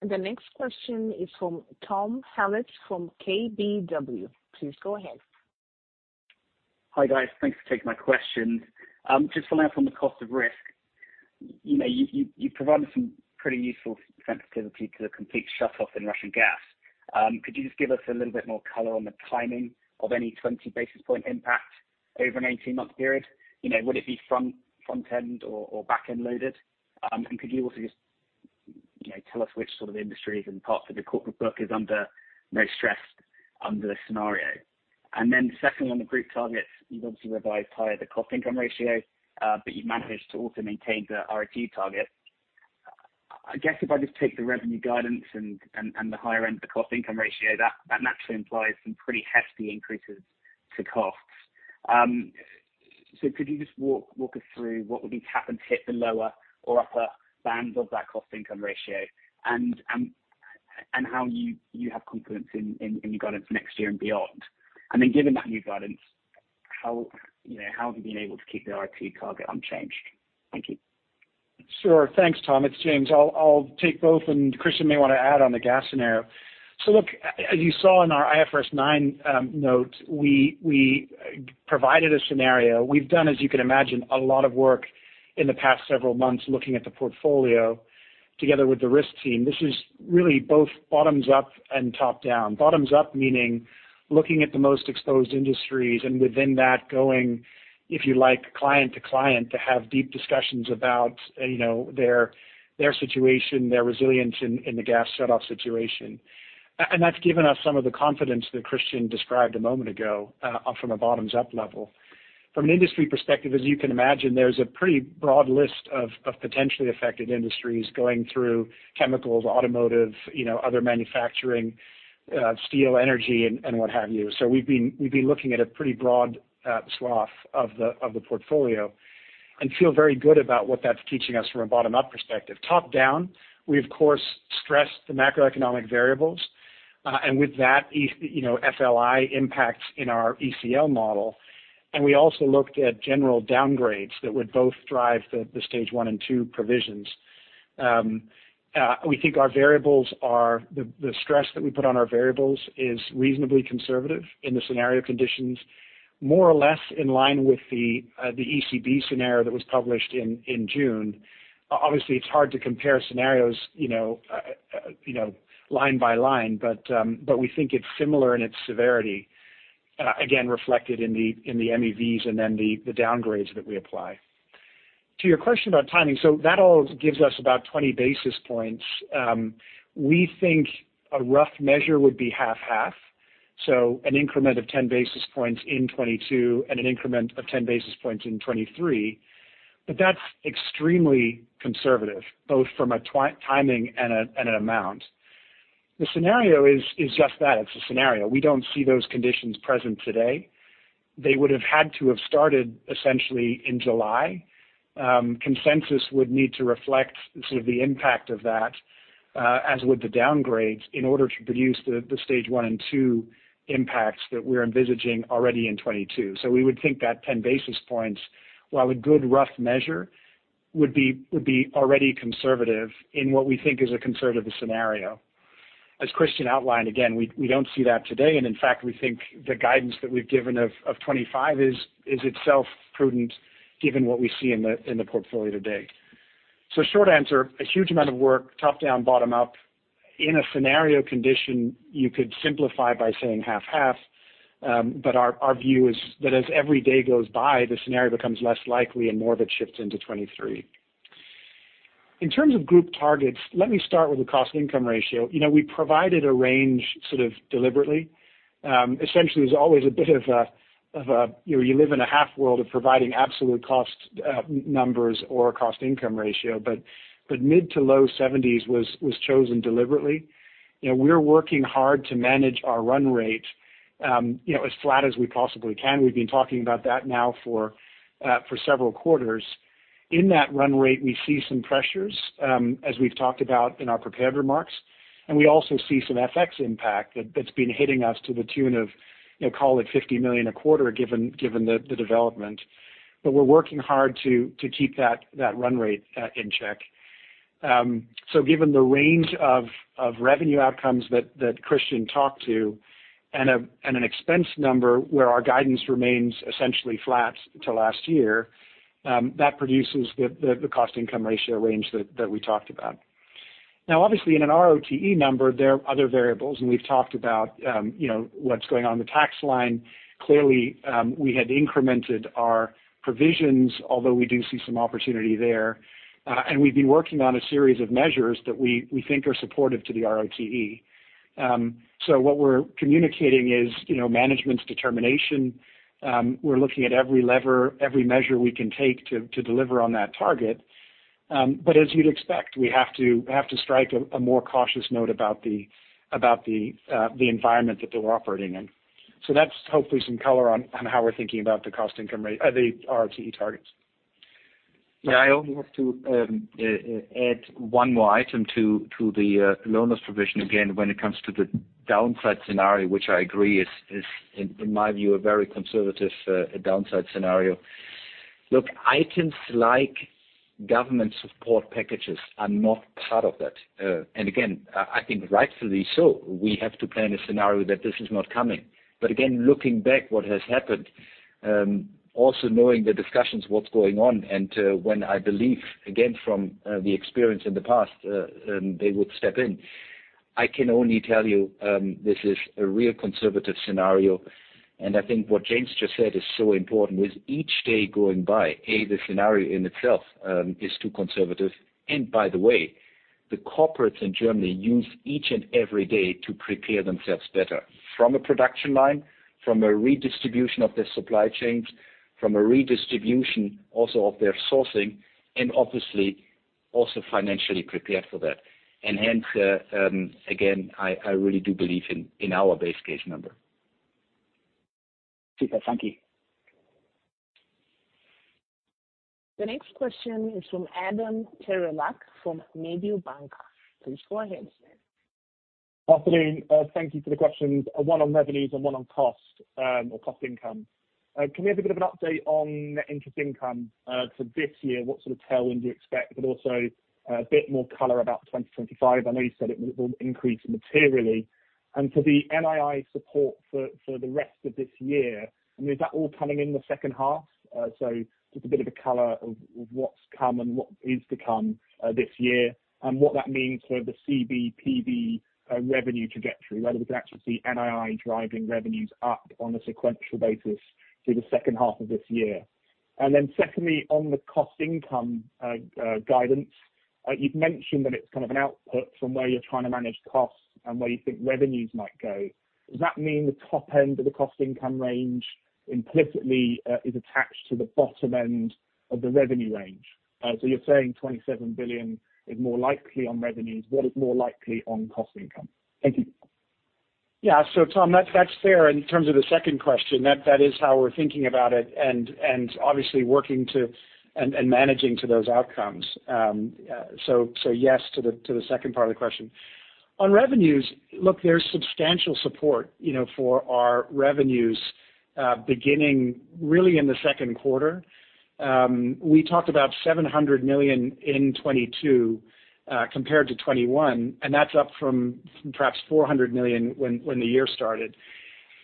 The next question is from Tom Hallett from KBW. Please go ahead. Hi, guys. Thanks for taking my questions. Just following up from the cost of risk. You know, you provided some pretty useful sensitivity to the complete shutoff in Russian gas. Could you just give us a little bit more color on the timing of any 20 basis points impact over an 18-month period? You know, would it be front-end or back-end loaded? And could you also just, you know, tell us which sort of industries and parts of the corporate book is under most stress under the scenario? Then secondly, on the group targets, you've obviously revised higher the cost-income ratio, but you managed to also maintain the ROTE target. I guess if I just take the revenue guidance and the higher end of the cost-income ratio, that naturally implies some pretty hefty increases to costs. Could you just walk us through what would it take to hit the lower or upper bands of that cost income ratio and how you have confidence in your guidance next year and beyond? Given that new guidance, how, you know, have you been able to keep the ROTE target unchanged? Thank you. Sure. Thanks, Tom. It's James. I'll take both, and Christian may wanna add on the gas scenario. Look, as you saw in our IFRS 9 note, we provided a scenario. We've done, as you can imagine, a lot of work in the past several months looking at the portfolio together with the risk team. This is really both bottoms up and top down. Bottoms up meaning looking at the most exposed industries, and within that, going, if you like, client to client to have deep discussions about, you know, their situation, their resilience in the gas shutoff situation. That's given us some of the confidence that Christian described a moment ago, from a bottoms up level. From an industry perspective, as you can imagine, there's a pretty broad list of potentially affected industries going through chemicals, automotive, you know, other manufacturing, steel, energy, and what have you. We've been looking at a pretty broad swath of the portfolio and feel very good about what that's teaching us from a bottom up perspective. Top down, we of course stressed the macroeconomic variables, and with that you know, FLI impacts in our ECL model. We also looked at general downgrades that would both drive the stage one and two provisions. We think our variables are the stress that we put on our variables is reasonably conservative in the scenario conditions, more or less in line with the ECB scenario that was published in June. Obviously, it's hard to compare scenarios, you know, line by line, but we think it's similar in its severity, again, reflected in the MEVs and then the downgrades that we apply. To your question about timing, so that all gives us about 20 basis points. We think a rough measure would be half/half, so an increment of 10 basis points in 2022 and an increment of 10 basis points in 2023, but that's extremely conservative, both from a timing and an amount. The scenario is just that, it's a scenario. We don't see those conditions present today. They would have had to have started essentially in July. Consensus would need to reflect sort of the impact of that, as would the downgrades in order to produce the stage one and two impacts that we're envisaging already in 2022. We would think that 10 basis points, while a good rough measure, would be already conservative in what we think is a conservative scenario. As Christian outlined, again, we don't see that today, and in fact, we think the guidance that we've given of 25 is itself prudent given what we see in the portfolio today. Short answer, a huge amount of work, top down, bottom up. In a scenario condition, you could simplify by saying half/half, but our view is that as every day goes by, the scenario becomes less likely and more of it shifts into 2023. In terms of group targets, let me start with the cost income ratio. You know, we provided a range sort of deliberately. Essentially there's always a bit of a you know, you live in a half world of providing absolute cost numbers or cost income ratio. Mid- to low-70s% was chosen deliberately. You know, we're working hard to manage our run rate, you know, as flat as we possibly can. We've been talking about that now for several quarters. In that run rate, we see some pressures, as we've talked about in our prepared remarks, and we also see some FX impact that's been hitting us to the tune of, you know, call it 50 million a quarter given the development. We're working hard to keep that run rate in check. Given the range of revenue outcomes that Christian talked to and an expense number where our guidance remains essentially flat to last year, that produces the cost-income ratio range that we talked about. Now obviously in an ROTE number, there are other variables, and we've talked about, you know, what's going on in the tax line. Clearly, we had incremented our provisions, although we do see some opportunity there. We've been working on a series of measures that we think are supportive to the ROTE. What we're communicating is, you know, management's determination. We're looking at every lever, every measure we can take to deliver on that target. As you'd expect, we have to strike a more cautious note about the environment that we're operating in. That's hopefully some color on how we're thinking about the ROTE targets. Yeah, I only have to add one more item to the loan loss provision again when it comes to the downside scenario, which I agree is in my view a very conservative downside scenario. Look, items like government support packages are not part of that. I think rightfully so, we have to plan a scenario that this is not coming. Again, looking back what has happened, also knowing the discussions, what's going on and, when I believe, again from the experience in the past, they would step in. I can only tell you, this is a real conservative scenario, and I think what James just said is so important. With each day going by, A, the scenario in itself is too conservative. By the way, the corporates in Germany use each and every day to prepare themselves better from a production line, from a redistribution of their supply chains, from a redistribution also of their sourcing, and obviously also financially prepared for that. Hence, again, I really do believe in our base case number. Super. Thank you. The next question is from Adam Terelak from Mediobanca. Please go ahead, sir. Afternoon. Thank you for the questions, one on revenues and one on costs, or cost income. Can we have a bit of an update on net interest income, for this year? What sort of tailwind do you expect? Also a bit more color about 2025. I know you said it will increase materially. For the NII support for the rest of this year, I mean, is that all coming in the second half? Just a bit of a color of what's come and what is to come, this year and what that means for the CB&PB, revenue trajectory, whether we can actually see NII driving revenues up on a sequential basis through the second half of this year. Secondly, on the cost income guidance, you've mentioned that it's kind of an output from where you're trying to manage costs and where you think revenues might go. Does that mean the top end of the cost income range implicitly is attached to the bottom end of the revenue range? You're saying 27 billion is more likely on revenues. What is more likely on cost income? Thank you. Yeah. Tom, that's fair in terms of the second question. That is how we're thinking about it and obviously working to and managing to those outcomes. Yes to the second part of the question. On revenues, look, there's substantial support, you know, for our revenues, beginning really in the second quarter. We talked about 700 million in 2022, compared to 2021, and that's up from perhaps 400 million when the year started.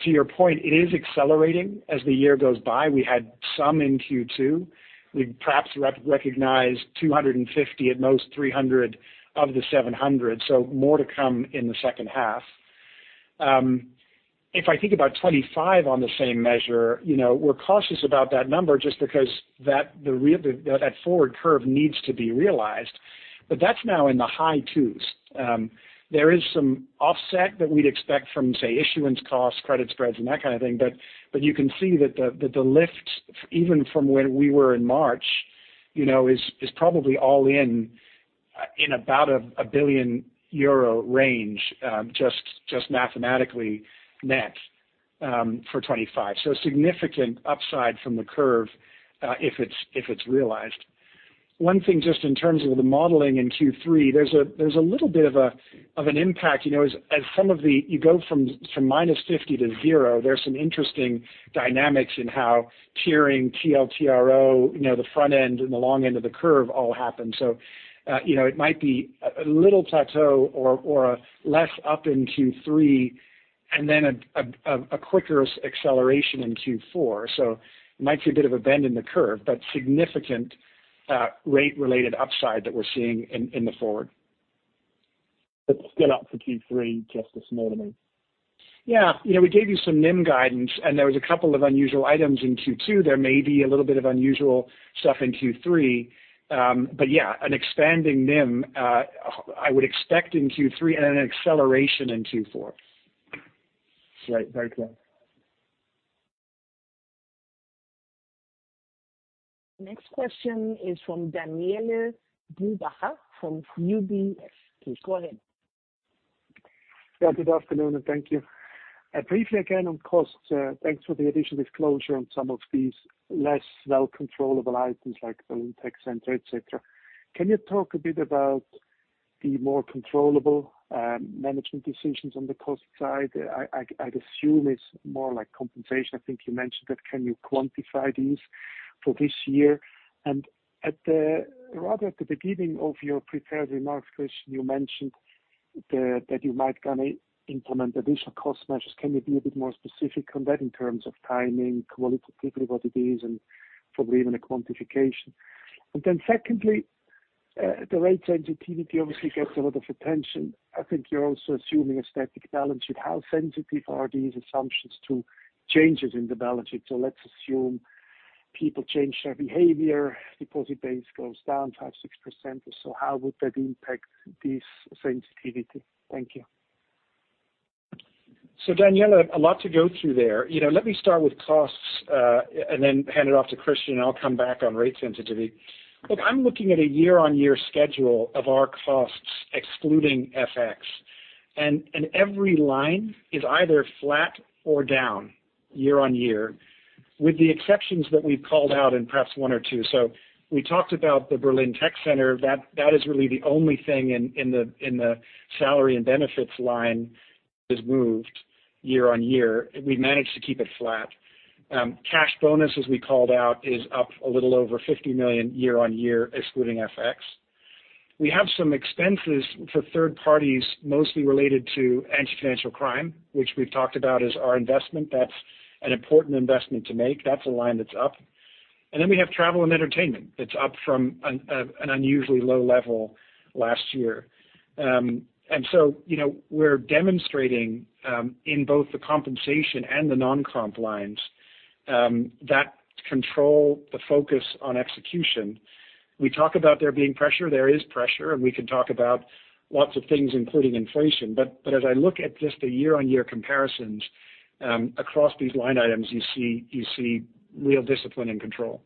To your point, it is accelerating as the year goes by. We had some in Q2. We perhaps recognized 250 million at most 300 million of the 700 million, so more to come in the second half. If I think about 2025 on the same measure, you know, we're cautious about that number just because the forward curve needs to be realized. That's now in the high twos. There is some offset that we'd expect from, say, issuance costs, credit spreads and that kind of thing, but you can see that the lift even from where we were in March, you know, is probably all in about 1 billion euro range, just mathematically net, for 2025. Significant upside from the curve, if it's realized. One thing just in terms of the modeling in Q3, there's a little bit of an impact, you know, as you go from -50 to 0, there's some interesting dynamics in how tiering TLTRO, you know, the front end and the long end of the curve all happen. It might be a little plateau or a less up in Q3 and then a quicker acceleration in Q4. Might see a bit of a bend in the curve, but significant rate-related upside that we're seeing in the forward. Still up for Q3, just a small amount. Yeah. You know, we gave you some NIM guidance and there was a couple of unusual items in Q2. There may be a little bit of unusual stuff in Q3. Yeah, an expanding NIM, I would expect in Q3 and an acceleration in Q4. Great. Very clear. Next question is from Daniele Brupbacher from UBS. Please go ahead. Yeah, good afternoon and thank you. Briefly again on costs, thanks for the additional disclosure on some of these less well controllable items like the tech center, et cetera. Can you talk a bit about the more controllable management decisions on the cost side? I'd assume it's more like compensation. I think you mentioned that. Can you quantify these for this year? Rather at the beginning of your prepared remarks, Christian, you mentioned that you might gonna implement additional cost measures. Can you be a bit more specific on that in terms of timing, qualitatively what it is and probably even a quantification? Secondly, the rate sensitivity obviously gets a lot of attention. I think you're also assuming a static balance sheet. How sensitive are these assumptions to changes in the balance sheet? Let's assume people change their behavior, deposit base goes down 5%-6% or so. How would that impact this sensitivity? Thank you. Daniele, a lot to go through there. You know, let me start with costs, and then hand it off to Christian, and I'll come back on rate sensitivity. Look, I'm looking at a year-on-year schedule of our costs excluding FX. Every line is either flat or down year-on-year, with the exceptions that we've called out in perhaps one or two. We talked about the Berlin Tech Center. That is really the only thing in the salary and benefits line that has moved. Year-on-year, we managed to keep it flat. Cash bonus, as we called out, is up a little over 50 million year-on-year, excluding FX. We have some expenses for third parties, mostly related to anti-financial crime, which we've talked about as our investment. That's an important investment to make. That's a line that's up. We have travel and entertainment that's up from an unusually low level last year. You know, we're demonstrating in both the compensation and the non-comp lines that control, the focus on execution. We talk about there being pressure, there is pressure, and we can talk about lots of things, including inflation. As I look at just the year-on-year comparisons, across these line items, you see real discipline and control.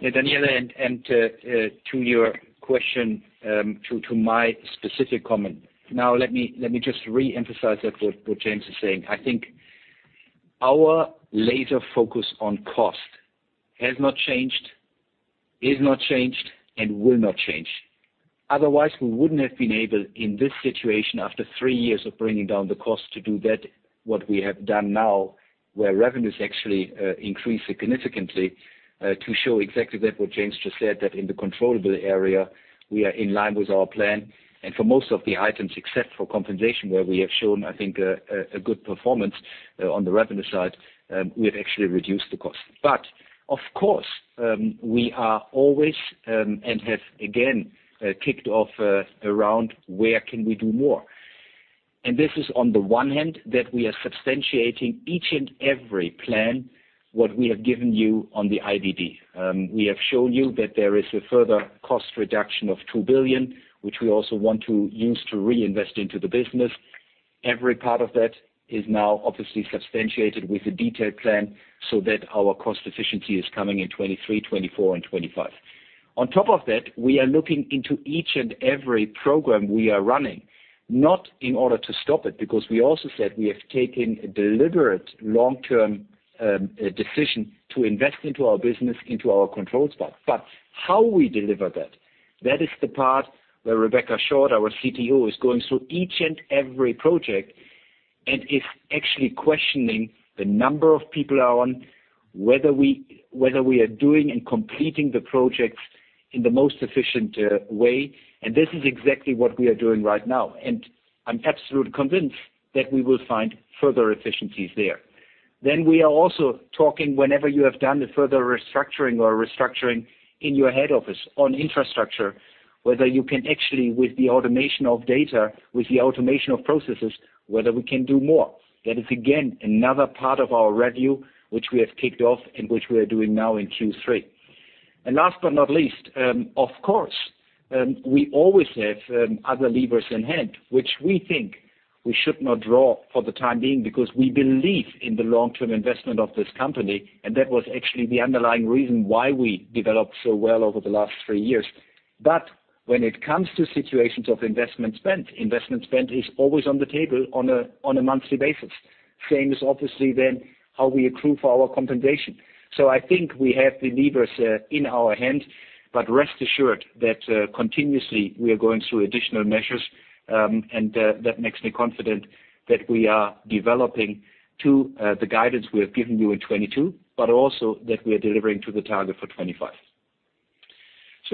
Yeah, Daniele, and to your question, to my specific comment. Now let me just reemphasize that what James is saying. I think our laser focus on costs has not changed, is not changed, and will not change. Otherwise, we wouldn't have been able, in this situation, after three years of bringing down the costs to do that, what we have done now, where revenues actually increased significantly, to show exactly that what James just said, that in the controllable area, we are in line with our plan. For most of the items, except for compensation, where we have shown, I think, a good performance on the revenue side, we have actually reduced the costs. Of course, we are always and have again kicked off around where can we do more. This is on the one hand that we are substantiating each and every plan what we have given you on the IDD. We have shown you that there is a further cost reduction of 2 billion, which we also want to use to reinvest into the business. Every part of that is now obviously substantiated with a detailed plan so that our cost efficiency is coming in 2023, 2024 and 2025. On top of that, we are looking into each and every program we are running, not in order to stop it, because we also said we have taken a deliberate long-term decision to invest into our business, into our control spot. How we deliver that is the part where Bernd Leukert, our COO, is going through each and every project and is actually questioning the number of people are on, whether we are doing and completing the projects in the most efficient way. This is exactly what we are doing right now. I'm absolutely convinced that we will find further efficiencies there. We are also talking whenever you have done the further restructuring or restructuring in your head office on infrastructure, whether you can actually with the automation of data, with the automation of processes, whether we can do more. That is again, another part of our review, which we have kicked off and which we are doing now in Q3. Last but not least, of course, we always have other levers in hand, which we think we should not draw for the time being because we believe in the long-term investment of this company, and that was actually the underlying reason why we developed so well over the last three years. But when it comes to situations of investment spend, investment spend is always on the table on a monthly basis. Same is obviously then how we accrue for our compensation. I think we have the levers in our hand, but rest assured that continuously we are going through additional measures, and that makes me confident that we are developing to the guidance we have given you in 2022, but also that we are delivering to the target for 2025.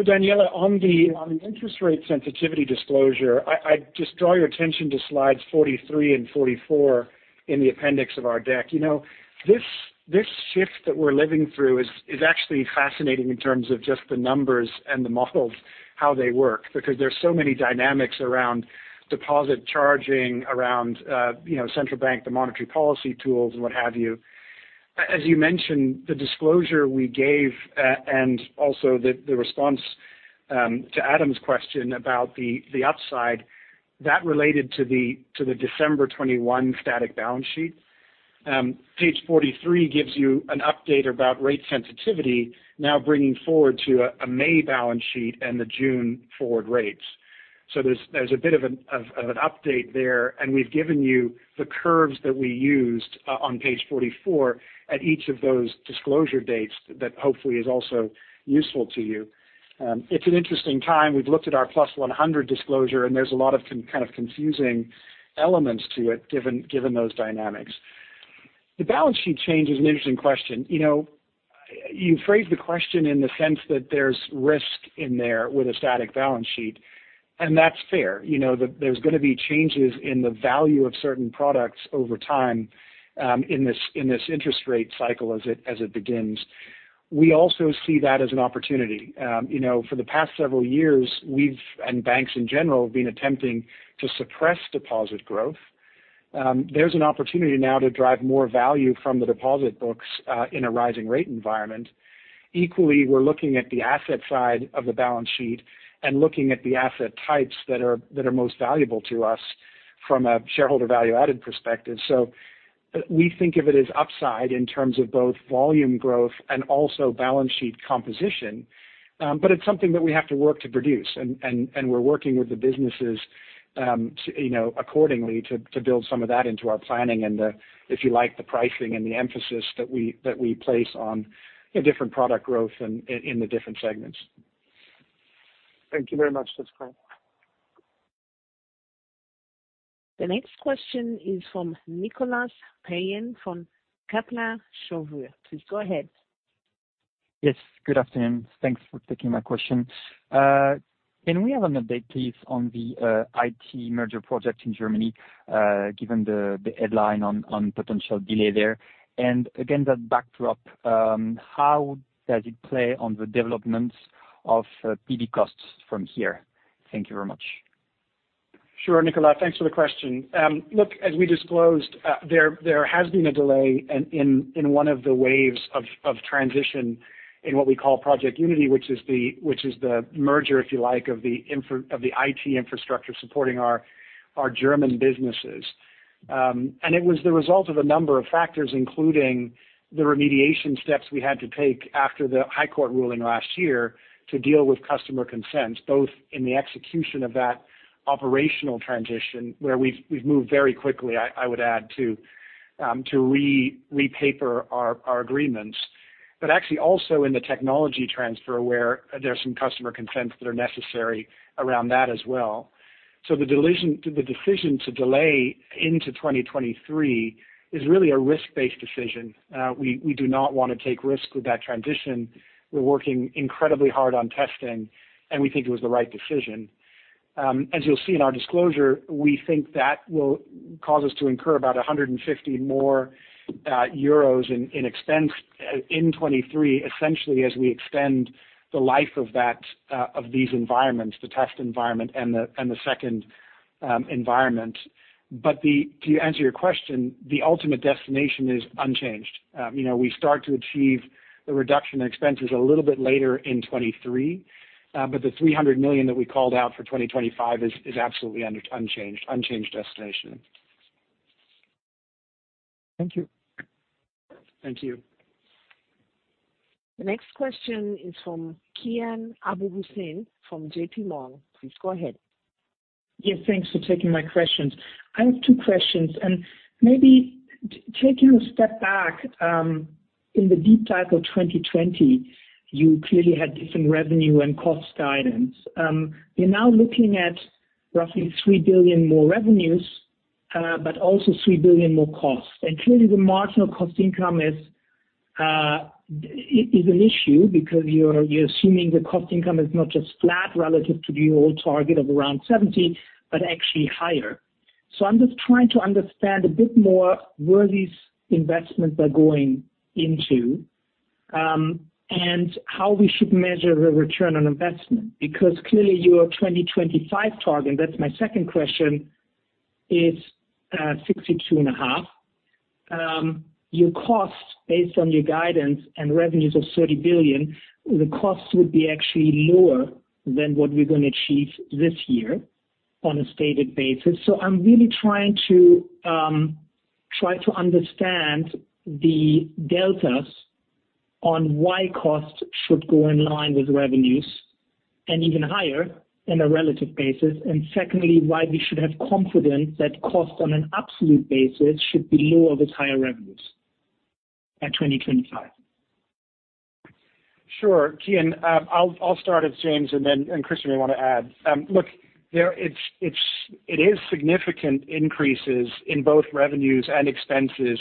Daniele, on the interest rate sensitivity disclosure, I just draw your attention to slides 43 and 44 in the appendix of our deck. You know, this shift that we're living through is actually fascinating in terms of just the numbers and the models, how they work, because there's so many dynamics around deposit charging, around you know central bank, the monetary policy tools and what have you. As you mentioned, the disclosure we gave and also the response to Adam's question about the upside that related to the December 2021 static balance sheet. Page 43 gives you an update about rate sensitivity, now bringing forward to a May balance sheet and the June forward rates. There's a bit of an update there, and we've given you the curves that we used on page 44 at each of those disclosure dates that hopefully is also useful to you. It's an interesting time. We've looked at our +100 disclosure, and there's a lot of kind of confusing elements to it given those dynamics. The balance sheet change is an interesting question. You know, you phrased the question in the sense that there's risk in there with a static balance sheet, and that's fair. You know, there's gonna be changes in the value of certain products over time in this interest rate cycle as it begins. We also see that as an opportunity. You know, for the past several years, we've, and banks in general, have been attempting to suppress deposit growth. There's an opportunity now to drive more value from the deposit books, in a rising rate environment. Equally, we're looking at the asset side of the balance sheet and looking at the asset types that are most valuable to us from a shareholder value added perspective. We think of it as upside in terms of both volume growth and also balance sheet composition. It's something that we have to work to produce and we're working with the businesses to, you know, accordingly to build some of that into our planning and, if you like, the pricing and the emphasis that we place on, you know, different product growth in the different segments. Thank you very much, Deutsche Bank. The next question is from Nicolas Payen from Kepler Cheuvreux. Please go ahead. Yes, good afternoon. Thanks for taking my question. Can we have an update, please, on the IT merger project in Germany, given the headline on potential delay there? Again, that backdrop, how does it play on the developments of PD costs from here? Thank you very much. Sure, Nicolas, thanks for the question. Look, as we disclosed, there has been a delay in one of the waves of transition in what we call Project Unity, which is the merger, if you like, of the IT infrastructure supporting our German businesses. It was the result of a number of factors, including the remediation steps we had to take after the High Court ruling last year to deal with customer consent, both in the execution of that operational transition, where we've moved very quickly, I would add, to repaper our agreements. Actually, also in the technology transfer, where there are some customer consents that are necessary around that as well. The decision to delay into 2023 is really a risk-based decision. We do not wanna take risk with that transition. We're working incredibly hard on testing, and we think it was the right decision. As you'll see in our disclosure, we think that will cause us to incur about 150 million euros more in expense in 2023, essentially as we extend the life of these environments, the test environment and the second environment. To answer your question, the ultimate destination is unchanged. You know, we start to achieve the reduction in expenses a little bit later in 2023, but the 300 million that we called out for 2025 is absolutely unchanged destination. Thank you. Thank you. The next question is from Kian Abouhossein from J.P. Morgan. Please go ahead. Yeah, thanks for taking my questions. I have two questions. Maybe taking a step back, in the deep dive of 2020, you clearly had different revenue and cost guidance. You're now looking at roughly 3 billion more revenues, but also 3 billion more costs. Clearly the marginal cost income is an issue because you're assuming the cost income is not just flat relative to the old target of around 70%, but actually higher. I'm just trying to understand a bit more where these investments are going into, and how we should measure the return on investment. Because clearly your 2025 target, that's my second question, is 62.5%. Your costs based on your guidance and revenues of 30 billion, the costs would be actually lower than what we're gonna achieve this year on a stated basis. I'm really trying to understand the deltas on why costs should go in line with revenues and even higher in a relative basis. Secondly, why we should have confidence that costs on an absolute basis should be lower with higher revenues at 2025. Sure, Kian. I'll start it, James, and then Christian may wanna add. Look, it is significant increases in both revenues and expenses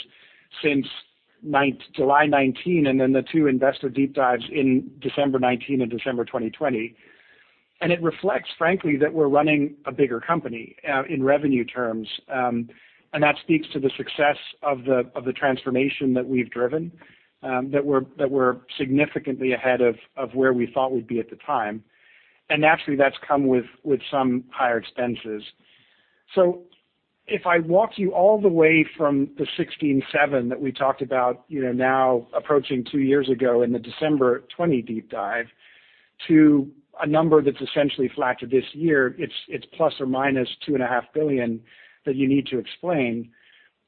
since July 2019, and then the two investor deep dives in December 2019 and December 2020. It reflects, frankly, that we're running a bigger company in revenue terms. That speaks to the success of the transformation that we've driven, that we're significantly ahead of where we thought we'd be at the time. Naturally, that's come with some higher expenses. If I walk you all the way from the 1.67 that we talked about, you know, now approaching two years ago in the December 2020 deep dive, to a number that's essentially flat to this year, it's ±2.5 billion that you need to explain.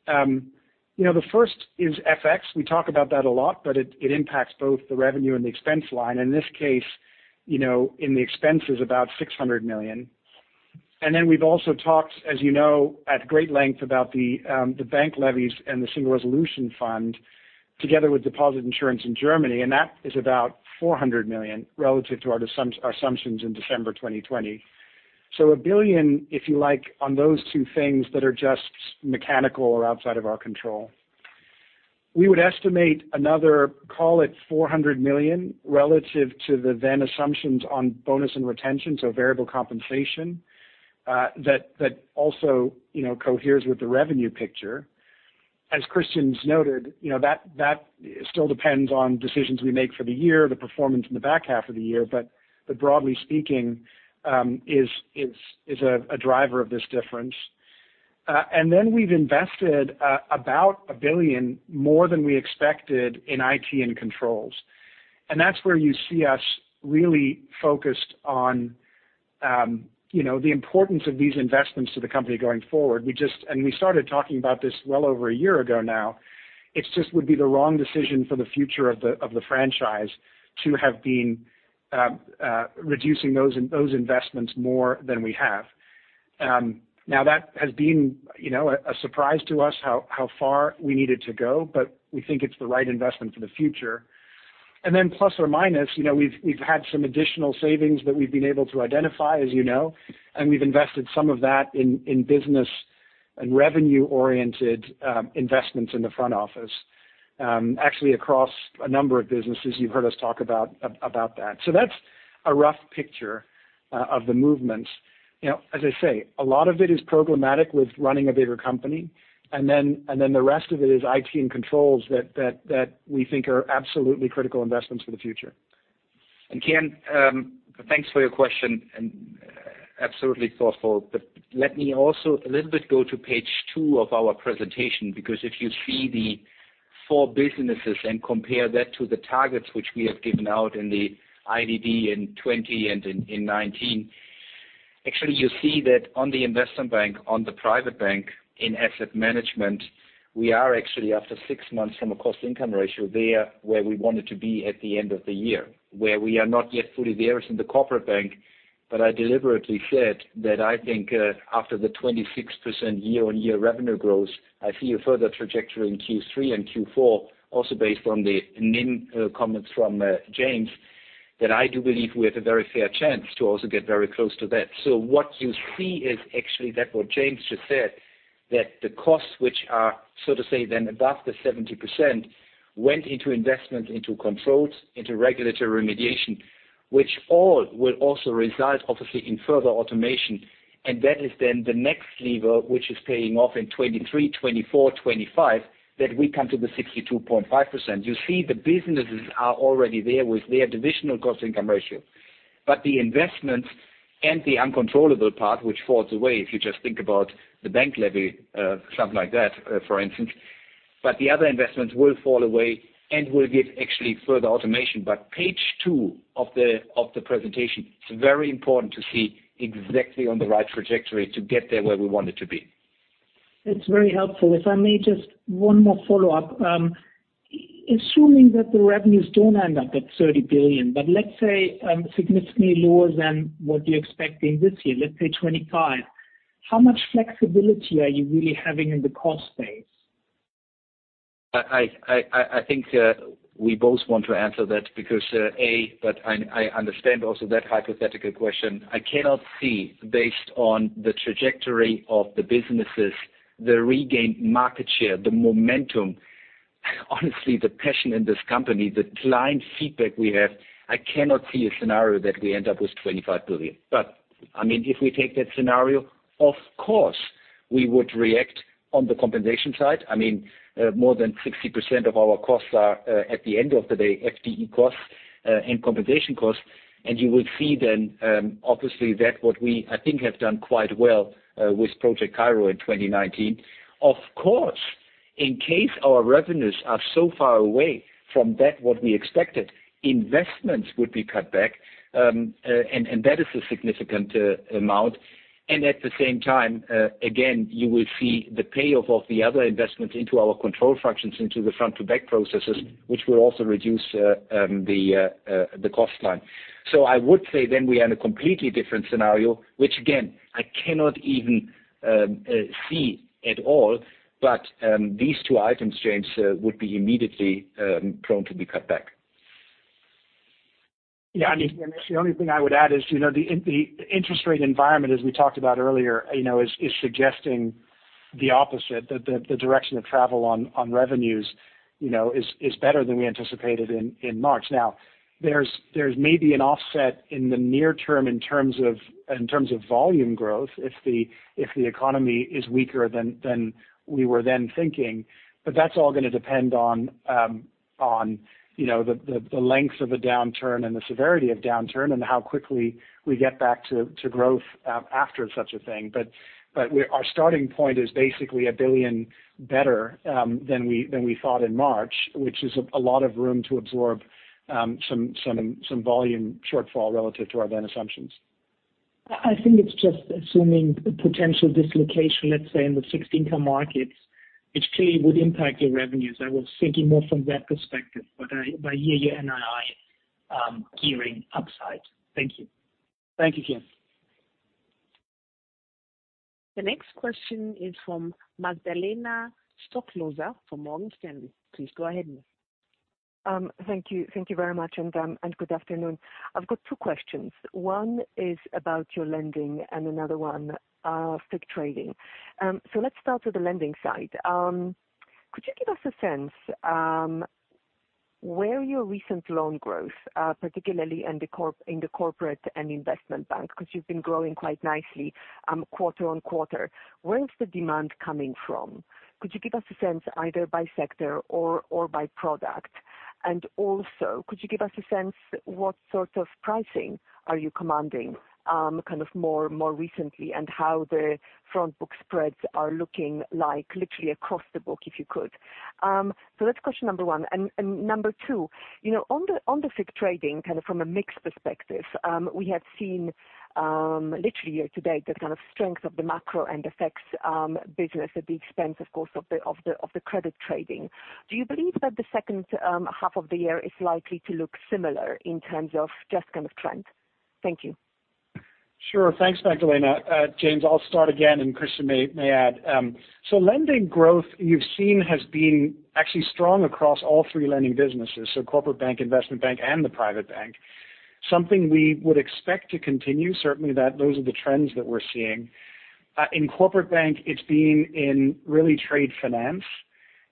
You know, the first is FX. We talk about that a lot, but it impacts both the revenue and the expense line. In this case, you know, in the expense is about 600 million. We've also talked, as you know, at great length about the bank levies and the single resolution fund together with deposit insurance in Germany, and that is about 400 million relative to our assumptions in December 2020. 1 billion, if you like, on those two things that are just mechanical or outside of our control. We would estimate another, call it 400 million, relative to the then assumptions on bonus and retention, so variable compensation, that also, you know, coheres with the revenue picture. As Christian has noted, you know, that still depends on decisions we make for the year, the performance in the back half of the year, but broadly speaking, is a driver of this difference. Then we've invested about 1 billion more than we expected in IT and controls. That's where you see us really focused on, you know, the importance of these investments to the company going forward. We started talking about this well over a year ago now. It just would be the wrong decision for the future of the franchise to have been reducing those investments more than we have. Now that has been, you know, a surprise to us how far we needed to go, but we think it's the right investment for the future. Then plus or minus, you know, we've had some additional savings that we've been able to identify, as you know, and we've invested some of that in business and revenue-oriented investments in the front office. Actually across a number of businesses, you've heard us talk about that. That's a rough picture of the movements. You know, as I say, a lot of it is programmatic with running a bigger company. The rest of it is IT and controls that we think are absolutely critical investments for the future. Kian, thanks for your question and absolutely thoughtful. Let me also a little bit go to page two of our presentation because if you see the four businesses and compare that to the targets which we have given out in the IDD in 2020 and in 2019, actually you see that on the investment bank, on the private bank in asset management, we are actually after six months from a cost-income ratio there where we wanted to be at the end of the year. Where we are not yet fully there is in the Corporate Bank, but I deliberately said that I think, after the 26% year-on-year revenue growth, I see a further trajectory in Q3 and Q4, also based on the NIM comments from, James, that I do believe we have a very fair chance to also get very close to that. What you see is actually that what James just said, that the costs which are, so to say, then above the 70% went into investment, into controls, into regulatory remediation, which all will also result obviously in further automation. That is then the next lever, which is paying off in 2023, 2024, 2025, that we come to the 62.5%. You see the businesses are already there with their divisional cost income ratio. The investments and the uncontrollable part which falls away, if you just think about the bank levy, something like that, for instance. The other investments will fall away and will give actually further automation. Page two of the presentation, it's very important to see exactly on the right trajectory to get there where we want it to be. It's very helpful. If I may just one more follow-up. Assuming that the revenues don't end up at 30 billion, but let's say, significantly lower than what you're expecting this year, let's say 25 billion. How much flexibility are you really having in the cost base? I think we both want to answer that, but I understand also that hypothetical question. I cannot see based on the trajectory of the businesses, the regained market share, the momentum, honestly, the passion in this company, the client feedback we have, I cannot see a scenario that we end up with 25 billion. I mean, if we take that scenario, of course, we would react on the compensation side. I mean, more than 60% of our costs are, at the end of the day, FTE costs and compensation costs. You will see then, obviously that what we, I think, have done quite well, with Project Cairo in 2019. Of course, in case our revenues are so far away from that what we expected, investments would be cut back. That is a significant amount. At the same time, again, you will see the payoff of the other investments into our control functions, into the front to back processes, which will also reduce the cost line. I would say then we are in a completely different scenario, which again, I cannot even see at all. These two items, James, would be immediately prone to be cut back. Yeah. I mean, the only thing I would add is, you know, the interest rate environment, as we talked about earlier, you know, is suggesting the opposite, that the direction of travel on revenues, you know, is better than we anticipated in March. Now, there's maybe an offset in the near term in terms of volume growth if the economy is weaker than we were then thinking. That's all gonna depend on, you know, the length of a downturn and the severity of downturn and how quickly we get back to growth after such a thing. Our starting point is basically 1 billion better than we thought in March, which is a lot of room to absorb some volume shortfall relative to our then assumptions. I think it's just assuming potential dislocation, let's say, in the fixed income markets, which clearly would impact your revenues. I was thinking more from that perspective. Yeah, NII, gearing upside. Thank you. Thank you, Kian. The next question is from Magdalena Stoklosa from Morgan Stanley. Please go ahead. Thank you. Thank you very much and good afternoon. I've got two questions. One is about your lending and another one, FICC trading. Let's start with the lending side. Could you give us a sense where your recent loan growth, particularly in the corporate and investment bank, because you've been growing quite nicely, quarter-over-quarter. Where is the demand coming from? Could you give us a sense either by sector or by product? Also, could you give us a sense what sort of pricing are you commanding, kind of more recently and how the front book spreads are looking like literally across the book, if you could? That's question number one. Number two, you know, on the FICC trading, kind of from a mix perspective, we have seen literally year-to-date the kind of strength of the macro and the FX business at the expense, of course, of the credit trading. Do you believe that the second half of the year is likely to look similar in terms of just kind of trend? Thank you. Sure. Thanks, Magdalena. James, I'll start again, and Christian may add. Lending growth you've seen has been actually strong across all three lending businesses, Corporate Bank, Investment Bank and the Private Bank. Something we would expect to continue. Certainly those are the trends that we're seeing. In Corporate Bank it's been really in trade finance,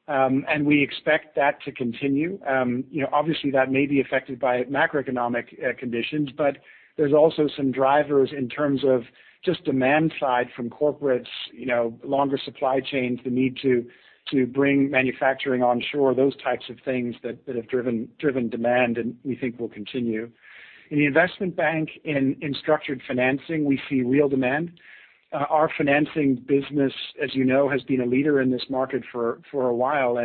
and we expect that to continue. You know, obviously that may be affected by macroeconomic conditions, but there's also some drivers in terms of just demand side from corporates, you know, longer supply chains, the need to bring manufacturing onshore, those types of things that have driven demand and we think will continue. In the Investment Bank, in structured financing, we see real demand. Our financing business, as you know, has been a leader in this market for a while.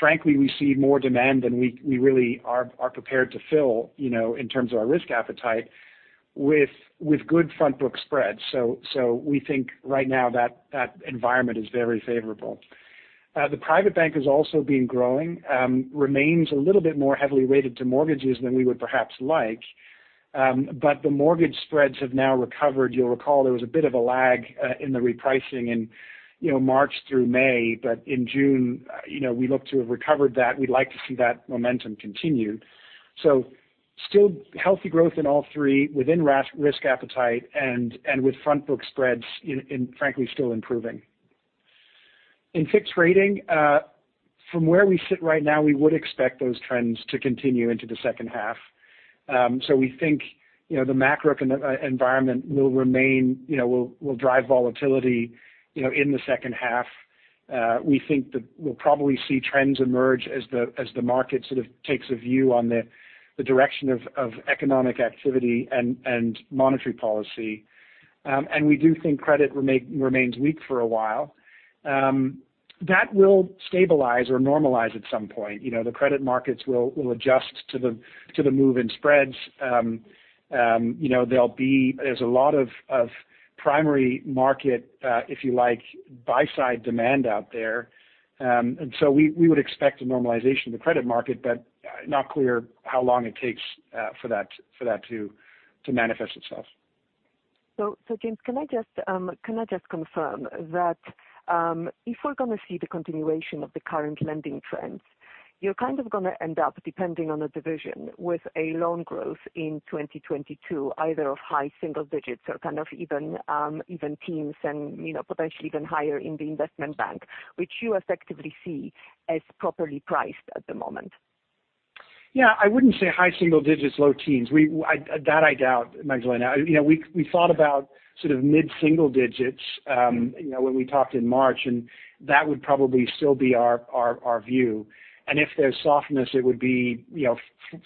Frankly, we see more demand than we really are prepared to fill, you know, in terms of our risk appetite with good front book spreads. We think right now that that environment is very favorable. The private bank has also been growing, remains a little bit more heavily weighted to mortgages than we would perhaps like, but the mortgage spreads have now recovered. You'll recall there was a bit of a lag in the repricing in, you know, March through May. In June, you know, we look to have recovered that. We'd like to see that momentum continue. Still healthy growth in all three within risk appetite and with front book spreads in frankly still improving. In fixed income trading from where we sit right now, we would expect those trends to continue into the second half. We think you know the macro environment will remain you know will drive volatility you know in the second half. We think that we'll probably see trends emerge as the market sort of takes a view on the direction of economic activity and monetary policy. We do think credit remains weak for a while. That will stabilize or normalize at some point. You know the credit markets will adjust to the move in spreads. You know there'll be. There's a lot of primary market, if you like, buy-side demand out there. We would expect a normalization of the credit market, but not clear how long it takes for that to manifest itself. James, can I just confirm that if we're gonna see the continuation of the current lending trends, you're kind of gonna end up depending on the division with a loan growth in 2022 either of high single digits or kind of even teens and, you know, potentially even higher in the investment bank, which you effectively see as properly priced at the moment. Yeah, I wouldn't say high single digits, low teens. That I doubt, Magdalena. You know, we thought about sort of mid-single digits, you know, when we talked in March, and that would probably still be our view. If there's softness it would be, you know,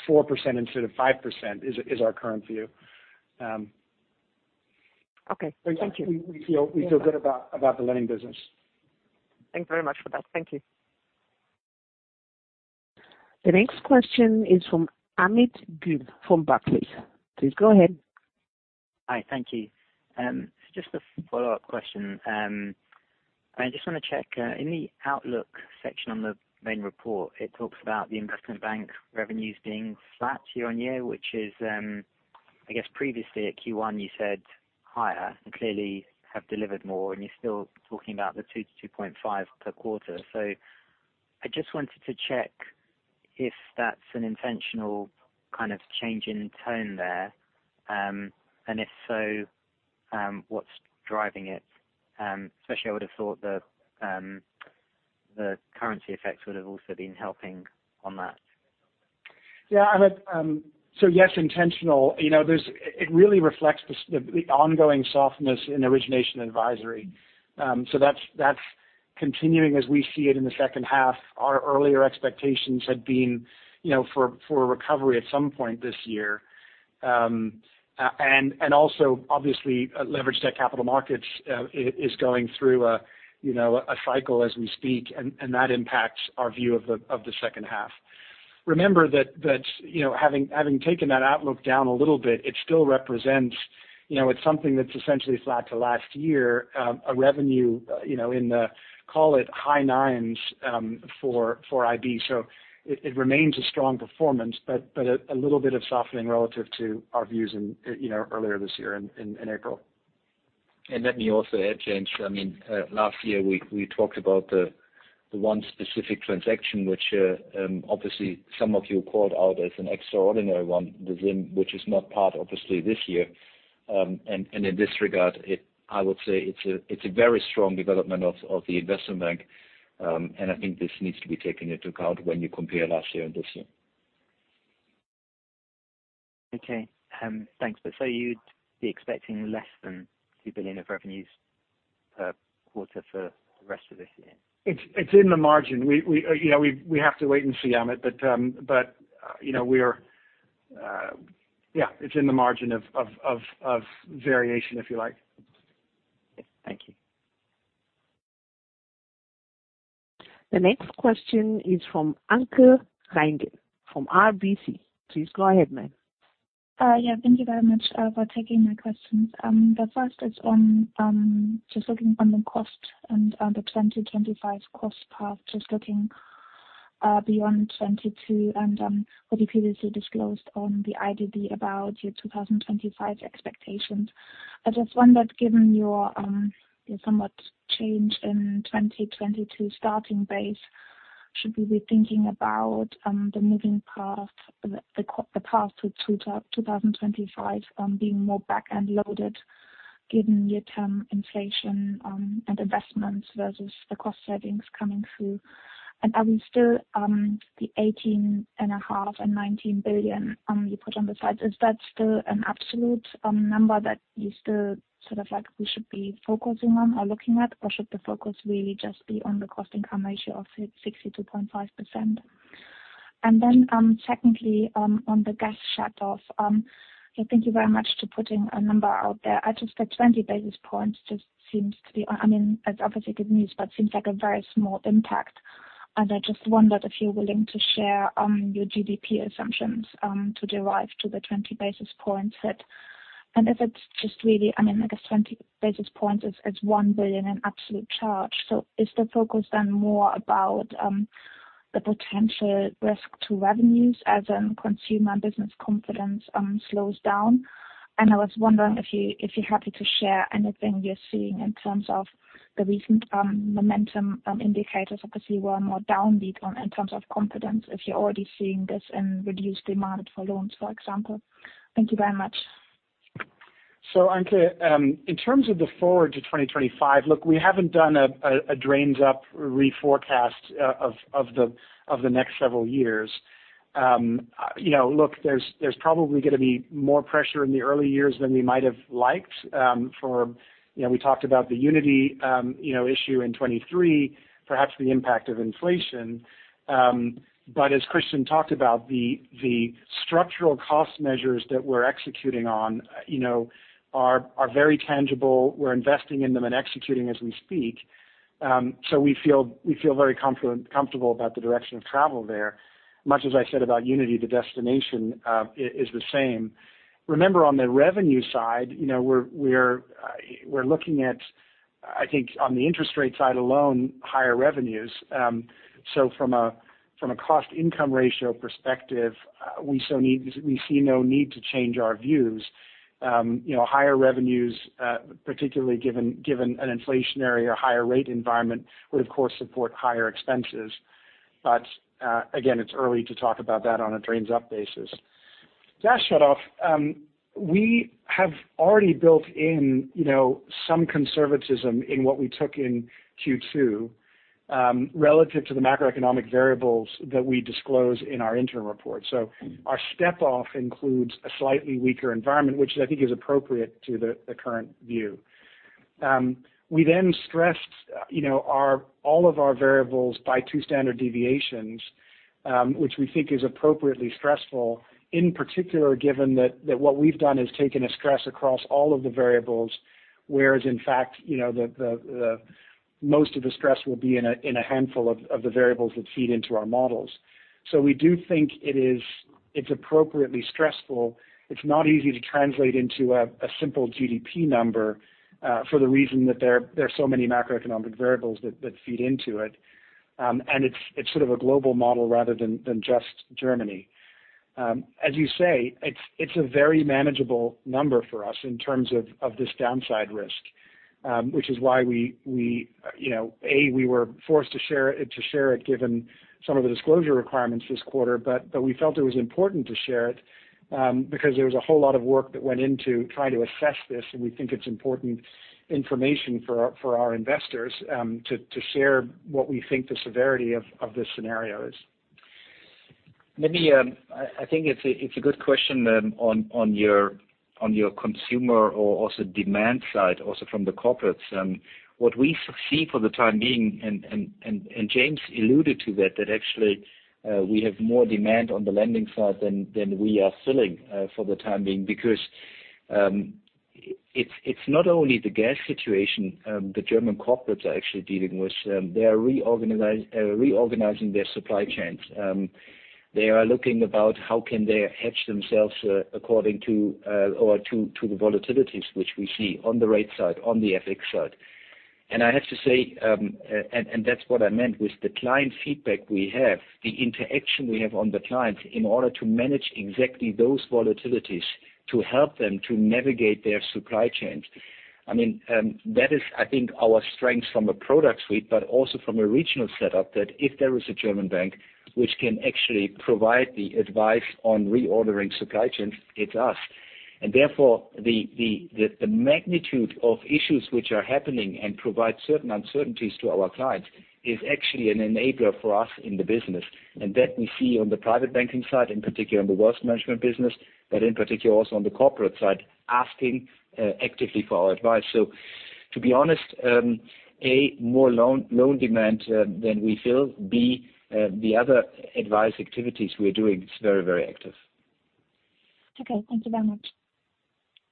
4% instead of 5% is our current view. Okay. Thank you. We feel good about the lending business. Thanks very much for that. Thank you. The next question is from Amit Goel from Barclays. Please go ahead. Hi. Thank you. Just a follow-up question. I just wanna check in the outlook section on the main report, it talks about the investment bank revenues being flat year-on-year, which is, I guess previously at Q1 you said higher and clearly have delivered more and you're still talking about the 2 billion-2.5 billion per quarter. I just wanted to check if that's an intentional kind of change in tone there. If so, what's driving it? Especially I would have thought the currency effects would have also been helping on that. Yeah. Amit Goel, yes, intentional. You know, it really reflects the ongoing softness in origination advisory. That's continuing as we see it in the second half. Our earlier expectations had been, you know, for a recovery at some point this year. Also obviously, leveraged capital markets is going through, you know, a cycle as we speak, and that impacts our view of the second half. Remember that, you know, having taken that outlook down a little bit, it still represents, you know, it's something that's essentially flat to last year, a revenue, you know, in the call it high nines for IB. It remains a strong performance, but a little bit of softening relative to our views in, you know, earlier this year in April. Let me also add, James, I mean, last year we talked about the one specific transaction which obviously some of you called out as an extraordinary one, the ZIM, which is not part obviously this year. In this regard, I would say it's a very strong development of the investment bank. I think this needs to be taken into account when you compare last year and this year. Okay. Thanks. You'd be expecting less than 2 billion of revenues per quarter for the rest of this year? It's in the margin. You know, we have to wait and see, Amit, but you know, yeah, it's in the margin of variation, if you like. Thank you. The next question is from Anke Reingen from RBC. Please go ahead, ma'am. Yeah. Thank you very much for taking my questions. The first is on just looking on the cost and the 2025 cost path, just looking beyond 2022 and what you previously disclosed on the IDD about your 2025 expectations. I just wondered, given your somewhat change in 2022 starting base, should we be thinking about the moving path, the path to 2025, being more back-end loaded given near-term inflation and investments versus the cost savings coming through? And are we still the 18.5 billion and 19 billion you put on the side, is that still an absolute number that you still sort of like we should be focusing on or looking at, or should the focus really just be on the cost-income ratio of 62.5%? Secondly, on the gas shutoff, thank you very much for putting a number out there. I just get 20 basis points just seems to be. I mean, it's obviously good news, but seems like a very small impact. I just wondered if you're willing to share your GDP assumptions to derive the 20 basis points hit. If it's just really, I mean, I guess 20 basis points is 1 billion in absolute charge. Is the focus then more about the potential risk to revenues as in consumer and business confidence slows down? I was wondering if you, if you're happy to share anything you're seeing in terms of the recent, momentum, indicators, obviously we're more downbeat on in terms of confidence, if you're already seeing this in reduced demand for loans, for example. Thank you very much. Anke, in terms of the forward to 2025, look, we haven't done a bottoms-up reforecast of the next several years. You know, look, there's probably gonna be more pressure in the early years than we might have liked, you know, we talked about the Unity issue in 2023, perhaps the impact of inflation. As Christian Sewing talked about, the structural cost measures that we're executing on, you know, are very tangible. We're investing in them and executing as we speak. We feel very comfortable about the direction of travel there. Much as I said about Unity, the destination is the same. Remember on the revenue side, you know, we're looking at, I think on the interest rate side alone, higher revenues. From a cost-income ratio perspective, we see no need to change our views. You know, higher revenues, particularly given an inflationary or higher rate environment, would of course support higher expenses. Again, it's early to talk about that on a run-rate basis. Gas shutoff, we have already built in, you know, some conservatism in what we took in Q2, relative to the macroeconomic variables that we disclose in our interim report. Our setup includes a slightly weaker environment, which I think is appropriate to the current view. We then stressed, you know, our... All of our variables by two standard deviations, which we think is appropriately stressful, in particular, given that what we've done is taken a stress across all of the variables, whereas in fact, you know, the most of the stress will be in a handful of the variables that feed into our models. We do think it is appropriately stressful. It's not easy to translate into a simple GDP number, for the reason that there are so many macroeconomic variables that feed into it. It's sort of a global model rather than just Germany. As you say, it's a very manageable number for us in terms of this downside risk, which is why we, you know, were forced to share it given some of the disclosure requirements this quarter, but we felt it was important to share it, because there was a whole lot of work that went into trying to assess this, and we think it's important information for our investors to share what we think the severity of this scenario is. I think it's a good question on your consumer or also demand side, also from the corporates. What we see for the time being, and James alluded to that actually, we have more demand on the lending side than we are filling for the time being because it's not only the gas situation, the German corporates are actually dealing with. They are reorganizing their supply chains. They are looking about how can they hedge themselves against the volatilities which we see on the rate side, on the FX side. That's what I meant with the client feedback we have, the interaction we have with the clients in order to manage exactly those volatilities to help them to navigate their supply chains. I mean, that is, I think, our strength from a product suite, but also from a regional setup, that if there is a German bank which can actually provide the advice on reordering supply chains, it's us. Therefore, the magnitude of issues which are happening and provide certain uncertainties to our clients is actually an enabler for us in the business. That we see on the private banking side, in particular in the wealth management business, but in particular also on the corporate side, asking actively for our advice. To be honest, a more loan demand than we feel. The other advice activities we are doing is very, very active. Okay. Thank you very much.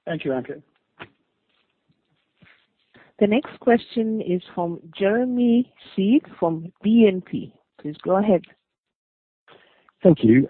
Thank you, Anke. The next question is from Jeremy Sigee from BNP. Please go ahead. Thank you.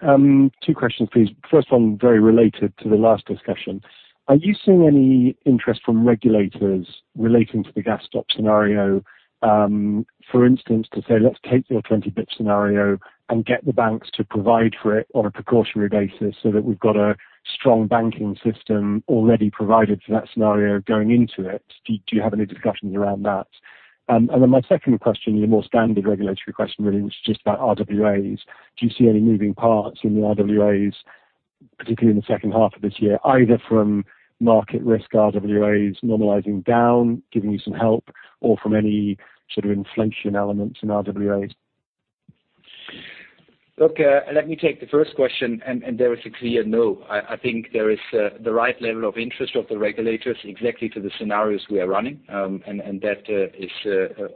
Two questions please. First one very related to the last discussion. Are you seeing any interest from regulators relating to the gas stop scenario, for instance, to say let's take your 2020 hit scenario and get the banks to provide for it on a precautionary basis so that we've got a strong banking system already provided for that scenario going into it. Do you have any discussions around that? My second question is a more standard regulatory question really, which is just about RWAs. Do you see any moving parts in the RWAs, particularly in the second half of this year, either from market risk RWAs normalizing down, giving you some help, or from any sort of inflation elements in RWAs? Look, let me take the first question and there is a clear no. I think there is the right level of interest of the regulators exactly to the scenarios we are running. And that is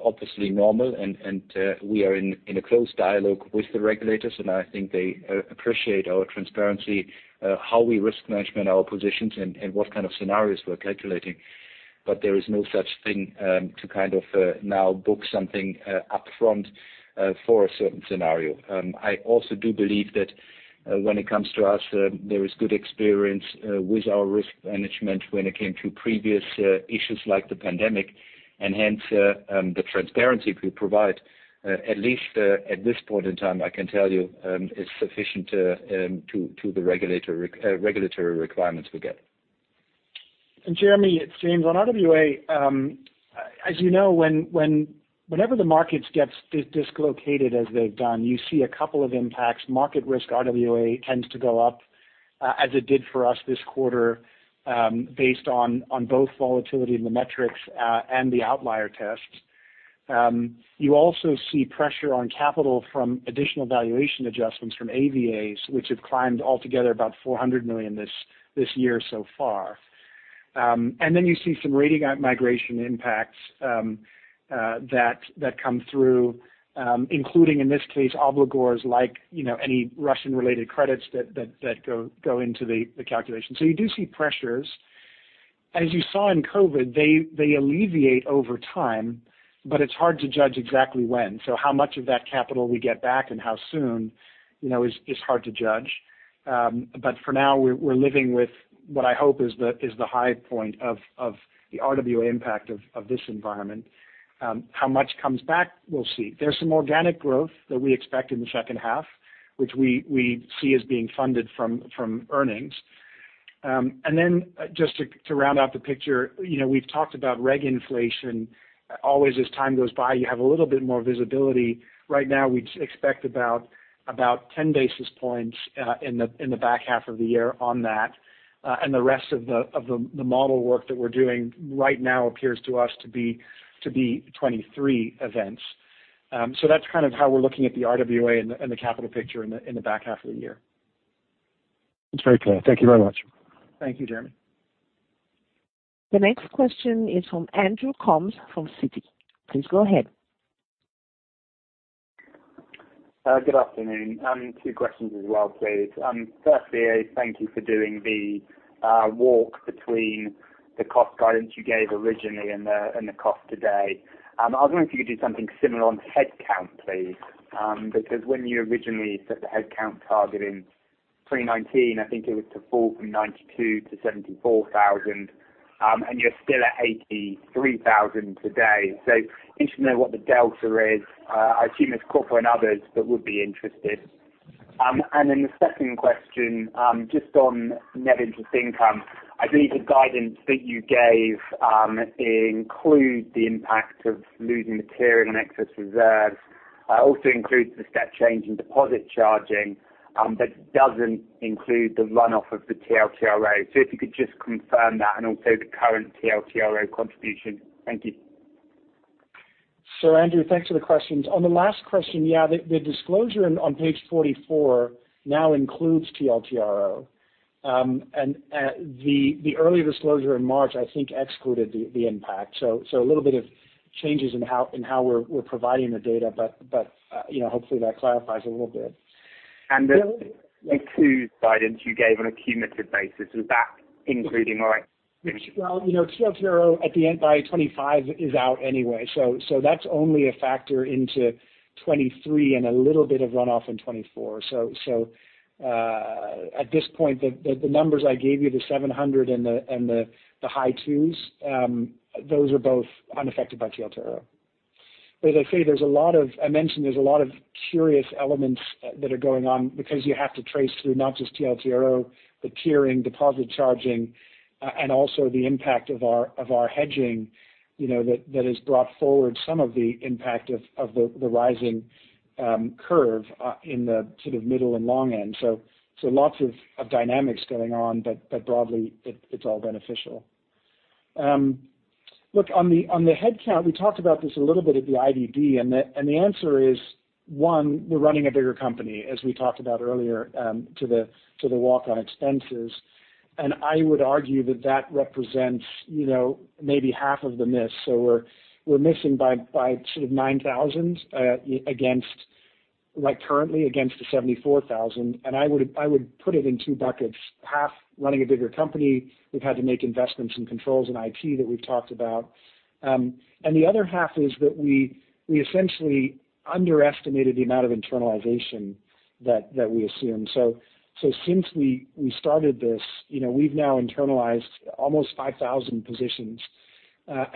obviously normal, and we are in a close dialogue with the regulators, and I think they appreciate our transparency, how we risk-manage our positions and what kind of scenarios we're calculating. There is no such thing to kind of now book something upfront for a certain scenario. I also do believe that, when it comes to us, there is good experience with our risk management when it came to previous issues like the pandemic and hence, the transparency we provide, at least at this point in time, I can tell you, is sufficient to the regulatory requirements we get. Jeremy, it's James. On RWA, as you know, whenever the markets gets dislocated as they've done, you see a couple of impacts. Market risk RWA tends to go up, as it did for us this quarter, based on both volatility in the metrics and the outlier tests. You also see pressure on capital from additional valuation adjustments from AVAs, which have climbed altogether about 400 million this year so far. And then you see some rating migration impacts, that come through, including, in this case, obligors like, you know, any Russian-related credits that go into the calculation. So you do see pressures. As you saw in COVID, they alleviate over time, but it's hard to judge exactly when. How much of that capital we get back and how soon, you know, is hard to judge. For now we're living with what I hope is the high point of the RWA impact of this environment. How much comes back, we'll see. There's some organic growth that we expect in the second half, which we see as being funded from earnings. Just to round out the picture, you know, we've talked about reg inflation. Always as time goes by, you have a little bit more visibility. Right now we'd expect about 10 basis points in the back half of the year on that. The rest of the model work that we're doing right now appears to us to be 2023 events. That's kind of how we're looking at the RWA and the capital picture in the back half of the year. That's very clear. Thank you very much. Thank you, Jeremy. The next question is from Andrew Coombs from Citi. Please go ahead. Good afternoon. Two questions as well, please. Firstly, thank you for doing the walk between the cost guidance you gave originally and the cost today. I was wondering if you could do something similar on headcount, please. Because when you originally set the headcount target in 2019, I think it was to fall from 92,000 to 74,000. You're still at 83,000 today. Interested to know what the delta is. I assume it's Corporate & Other that would be interested. Then the second question, just on net interest income. I believe the guidance that you gave includes the impact of losing material and excess reserves, also includes the step change in deposit charging, but doesn't include the runoff of the TLTRO. If you could just confirm that and also the current TLTRO contribution. Thank you. Andrew, thanks for the questions. On the last question, yeah, the disclosure on page 44 now includes TLTRO. The earlier disclosure in March, I think excluded the impact. A little bit of changes in how we're providing the data. But you know, hopefully that clarifies a little bit. The Q guidance you gave on a cumulative basis, was that including or excluding? Well, you know, TLTRO at the end by 25 is out anyway, so that's only a factor into 2023 and a little bit of runoff in 2024. At this point, the numbers I gave you, the 700 and the high twos, those are both unaffected by TLTRO. But as I say, there's a lot of curious elements that are going on because you have to trace through not just TLTRO, the tiering, deposit charging, and also the impact of our hedging, you know, that has brought forward some of the impact of the rising curve in the sort of middle and long end. Lots of dynamics going on, but broadly it's all beneficial. Look, on the headcount, we talked about this a little bit at the IDD, and the answer is, one, we're running a bigger company, as we talked about earlier, to the walk-on expenses. I would argue that that represents, you know, maybe half of the miss. We're missing by sort of 9,000 against like currently against the 74,000. I would put it in two buckets. Half running a bigger company. We've had to make investments in controls and IT that we've talked about. The other half is that we essentially underestimated the amount of internalization that we assume. Since we started this, you know, we've now internalized almost 5,000 positions.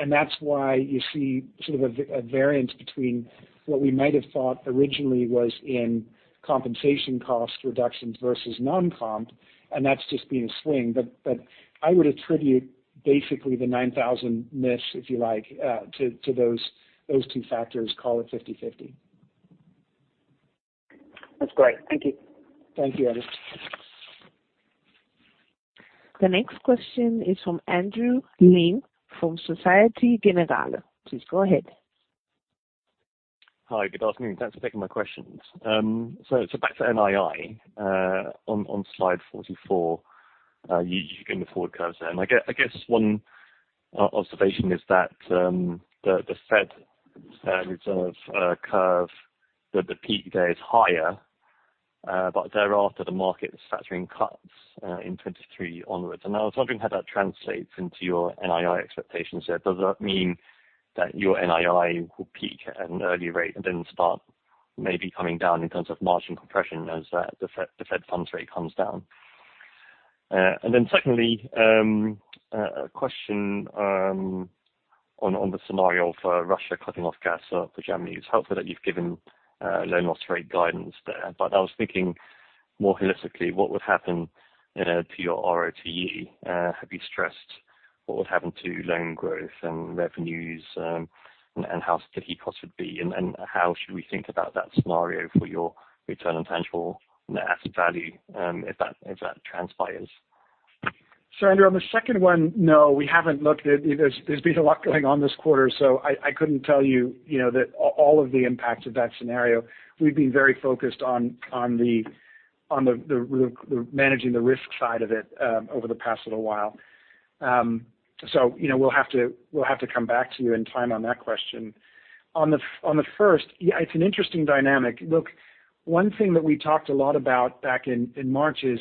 That's why you see sort of a variance between what we might have thought originally was in compensation cost reductions versus non-comp, and that's just been a swing. I would attribute basically the 9,000 miss, if you like, to those two factors, call it 50/50. That's great. Thank you. Thank you, Andrew. The next question is from Andrew Lim from Societe Generale. Please go ahead. Hi. Good afternoon. Thanks for taking my questions. So back to NII on slide 44, the view in the forward curves there. I guess one observation is that the Fed Reserve curve that the peak there is higher, but thereafter, the market is factoring cuts in 2023 onwards. I was wondering how that translates into your NII expectations there. Does that mean that your NII will peak at an early rate and then start maybe coming down in terms of margin compression as the Fed funds rate comes down? Then secondly, a question on the scenario for Russia cutting off gas supply for Germany. It's helpful that you've given loan loss rate guidance there, but I was thinking more holistically, what would happen, you know, to your ROTE, have you stressed what would happen to loan growth and revenues, and how sticky costs would be, and how should we think about that scenario for your return on tangible equity, if that transpires? Andrew, on the second one, no, we haven't looked at. There's been a lot going on this quarter, so I couldn't tell you know, all of the impacts of that scenario. We've been very focused on managing the risk side of it over the past little while. So, you know, we'll have to come back to you in time on that question. On the first, it's an interesting dynamic. Look, one thing that we talked a lot about back in March is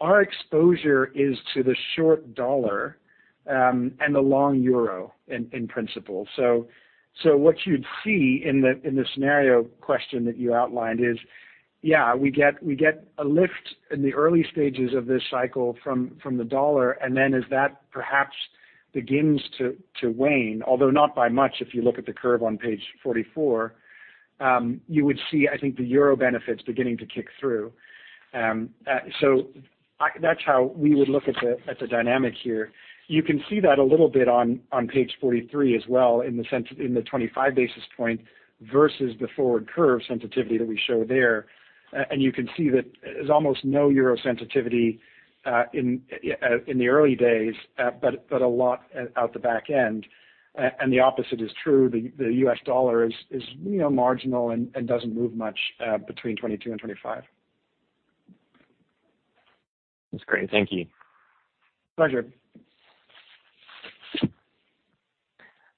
our exposure to the short dollar and the long euro in principle. What you'd see in the scenario question that you outlined is, yeah, we get a lift in the early stages of this cycle from the U.S. dollar, and then as that perhaps begins to wane, although not by much, if you look at the curve on page 44, you would see, I think, the euro benefits beginning to kick through. That's how we would look at the dynamic here. You can see that a little bit on page 43 as well in the sense, in the 25 basis point versus the forward curve sensitivity that we show there. You can see that there's almost no euro sensitivity in the early days, but a lot at the back end. The opposite is true, the U.S. dollar is, you know, marginal and doesn't move much between 22 and 25. That's great. Thank you. Pleasure.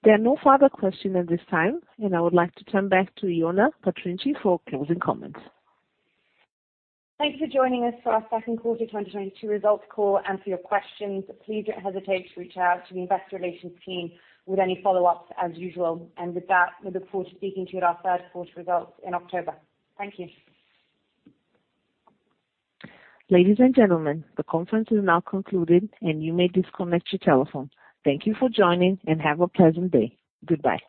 There are no further questions at this time, and I would like to turn back to Ioana Patriniche for closing comments. Thanks for joining us for our second quarter 2022 results call and for your questions. Please don't hesitate to reach out to the investor relations team with any follow-ups as usual. With that, we look forward to speaking to you at our third quarter results in October. Thank you. Ladies and gentlemen, the conference is now concluded, and you may disconnect your telephone. Thank you for joining, and have a pleasant day. Goodbye.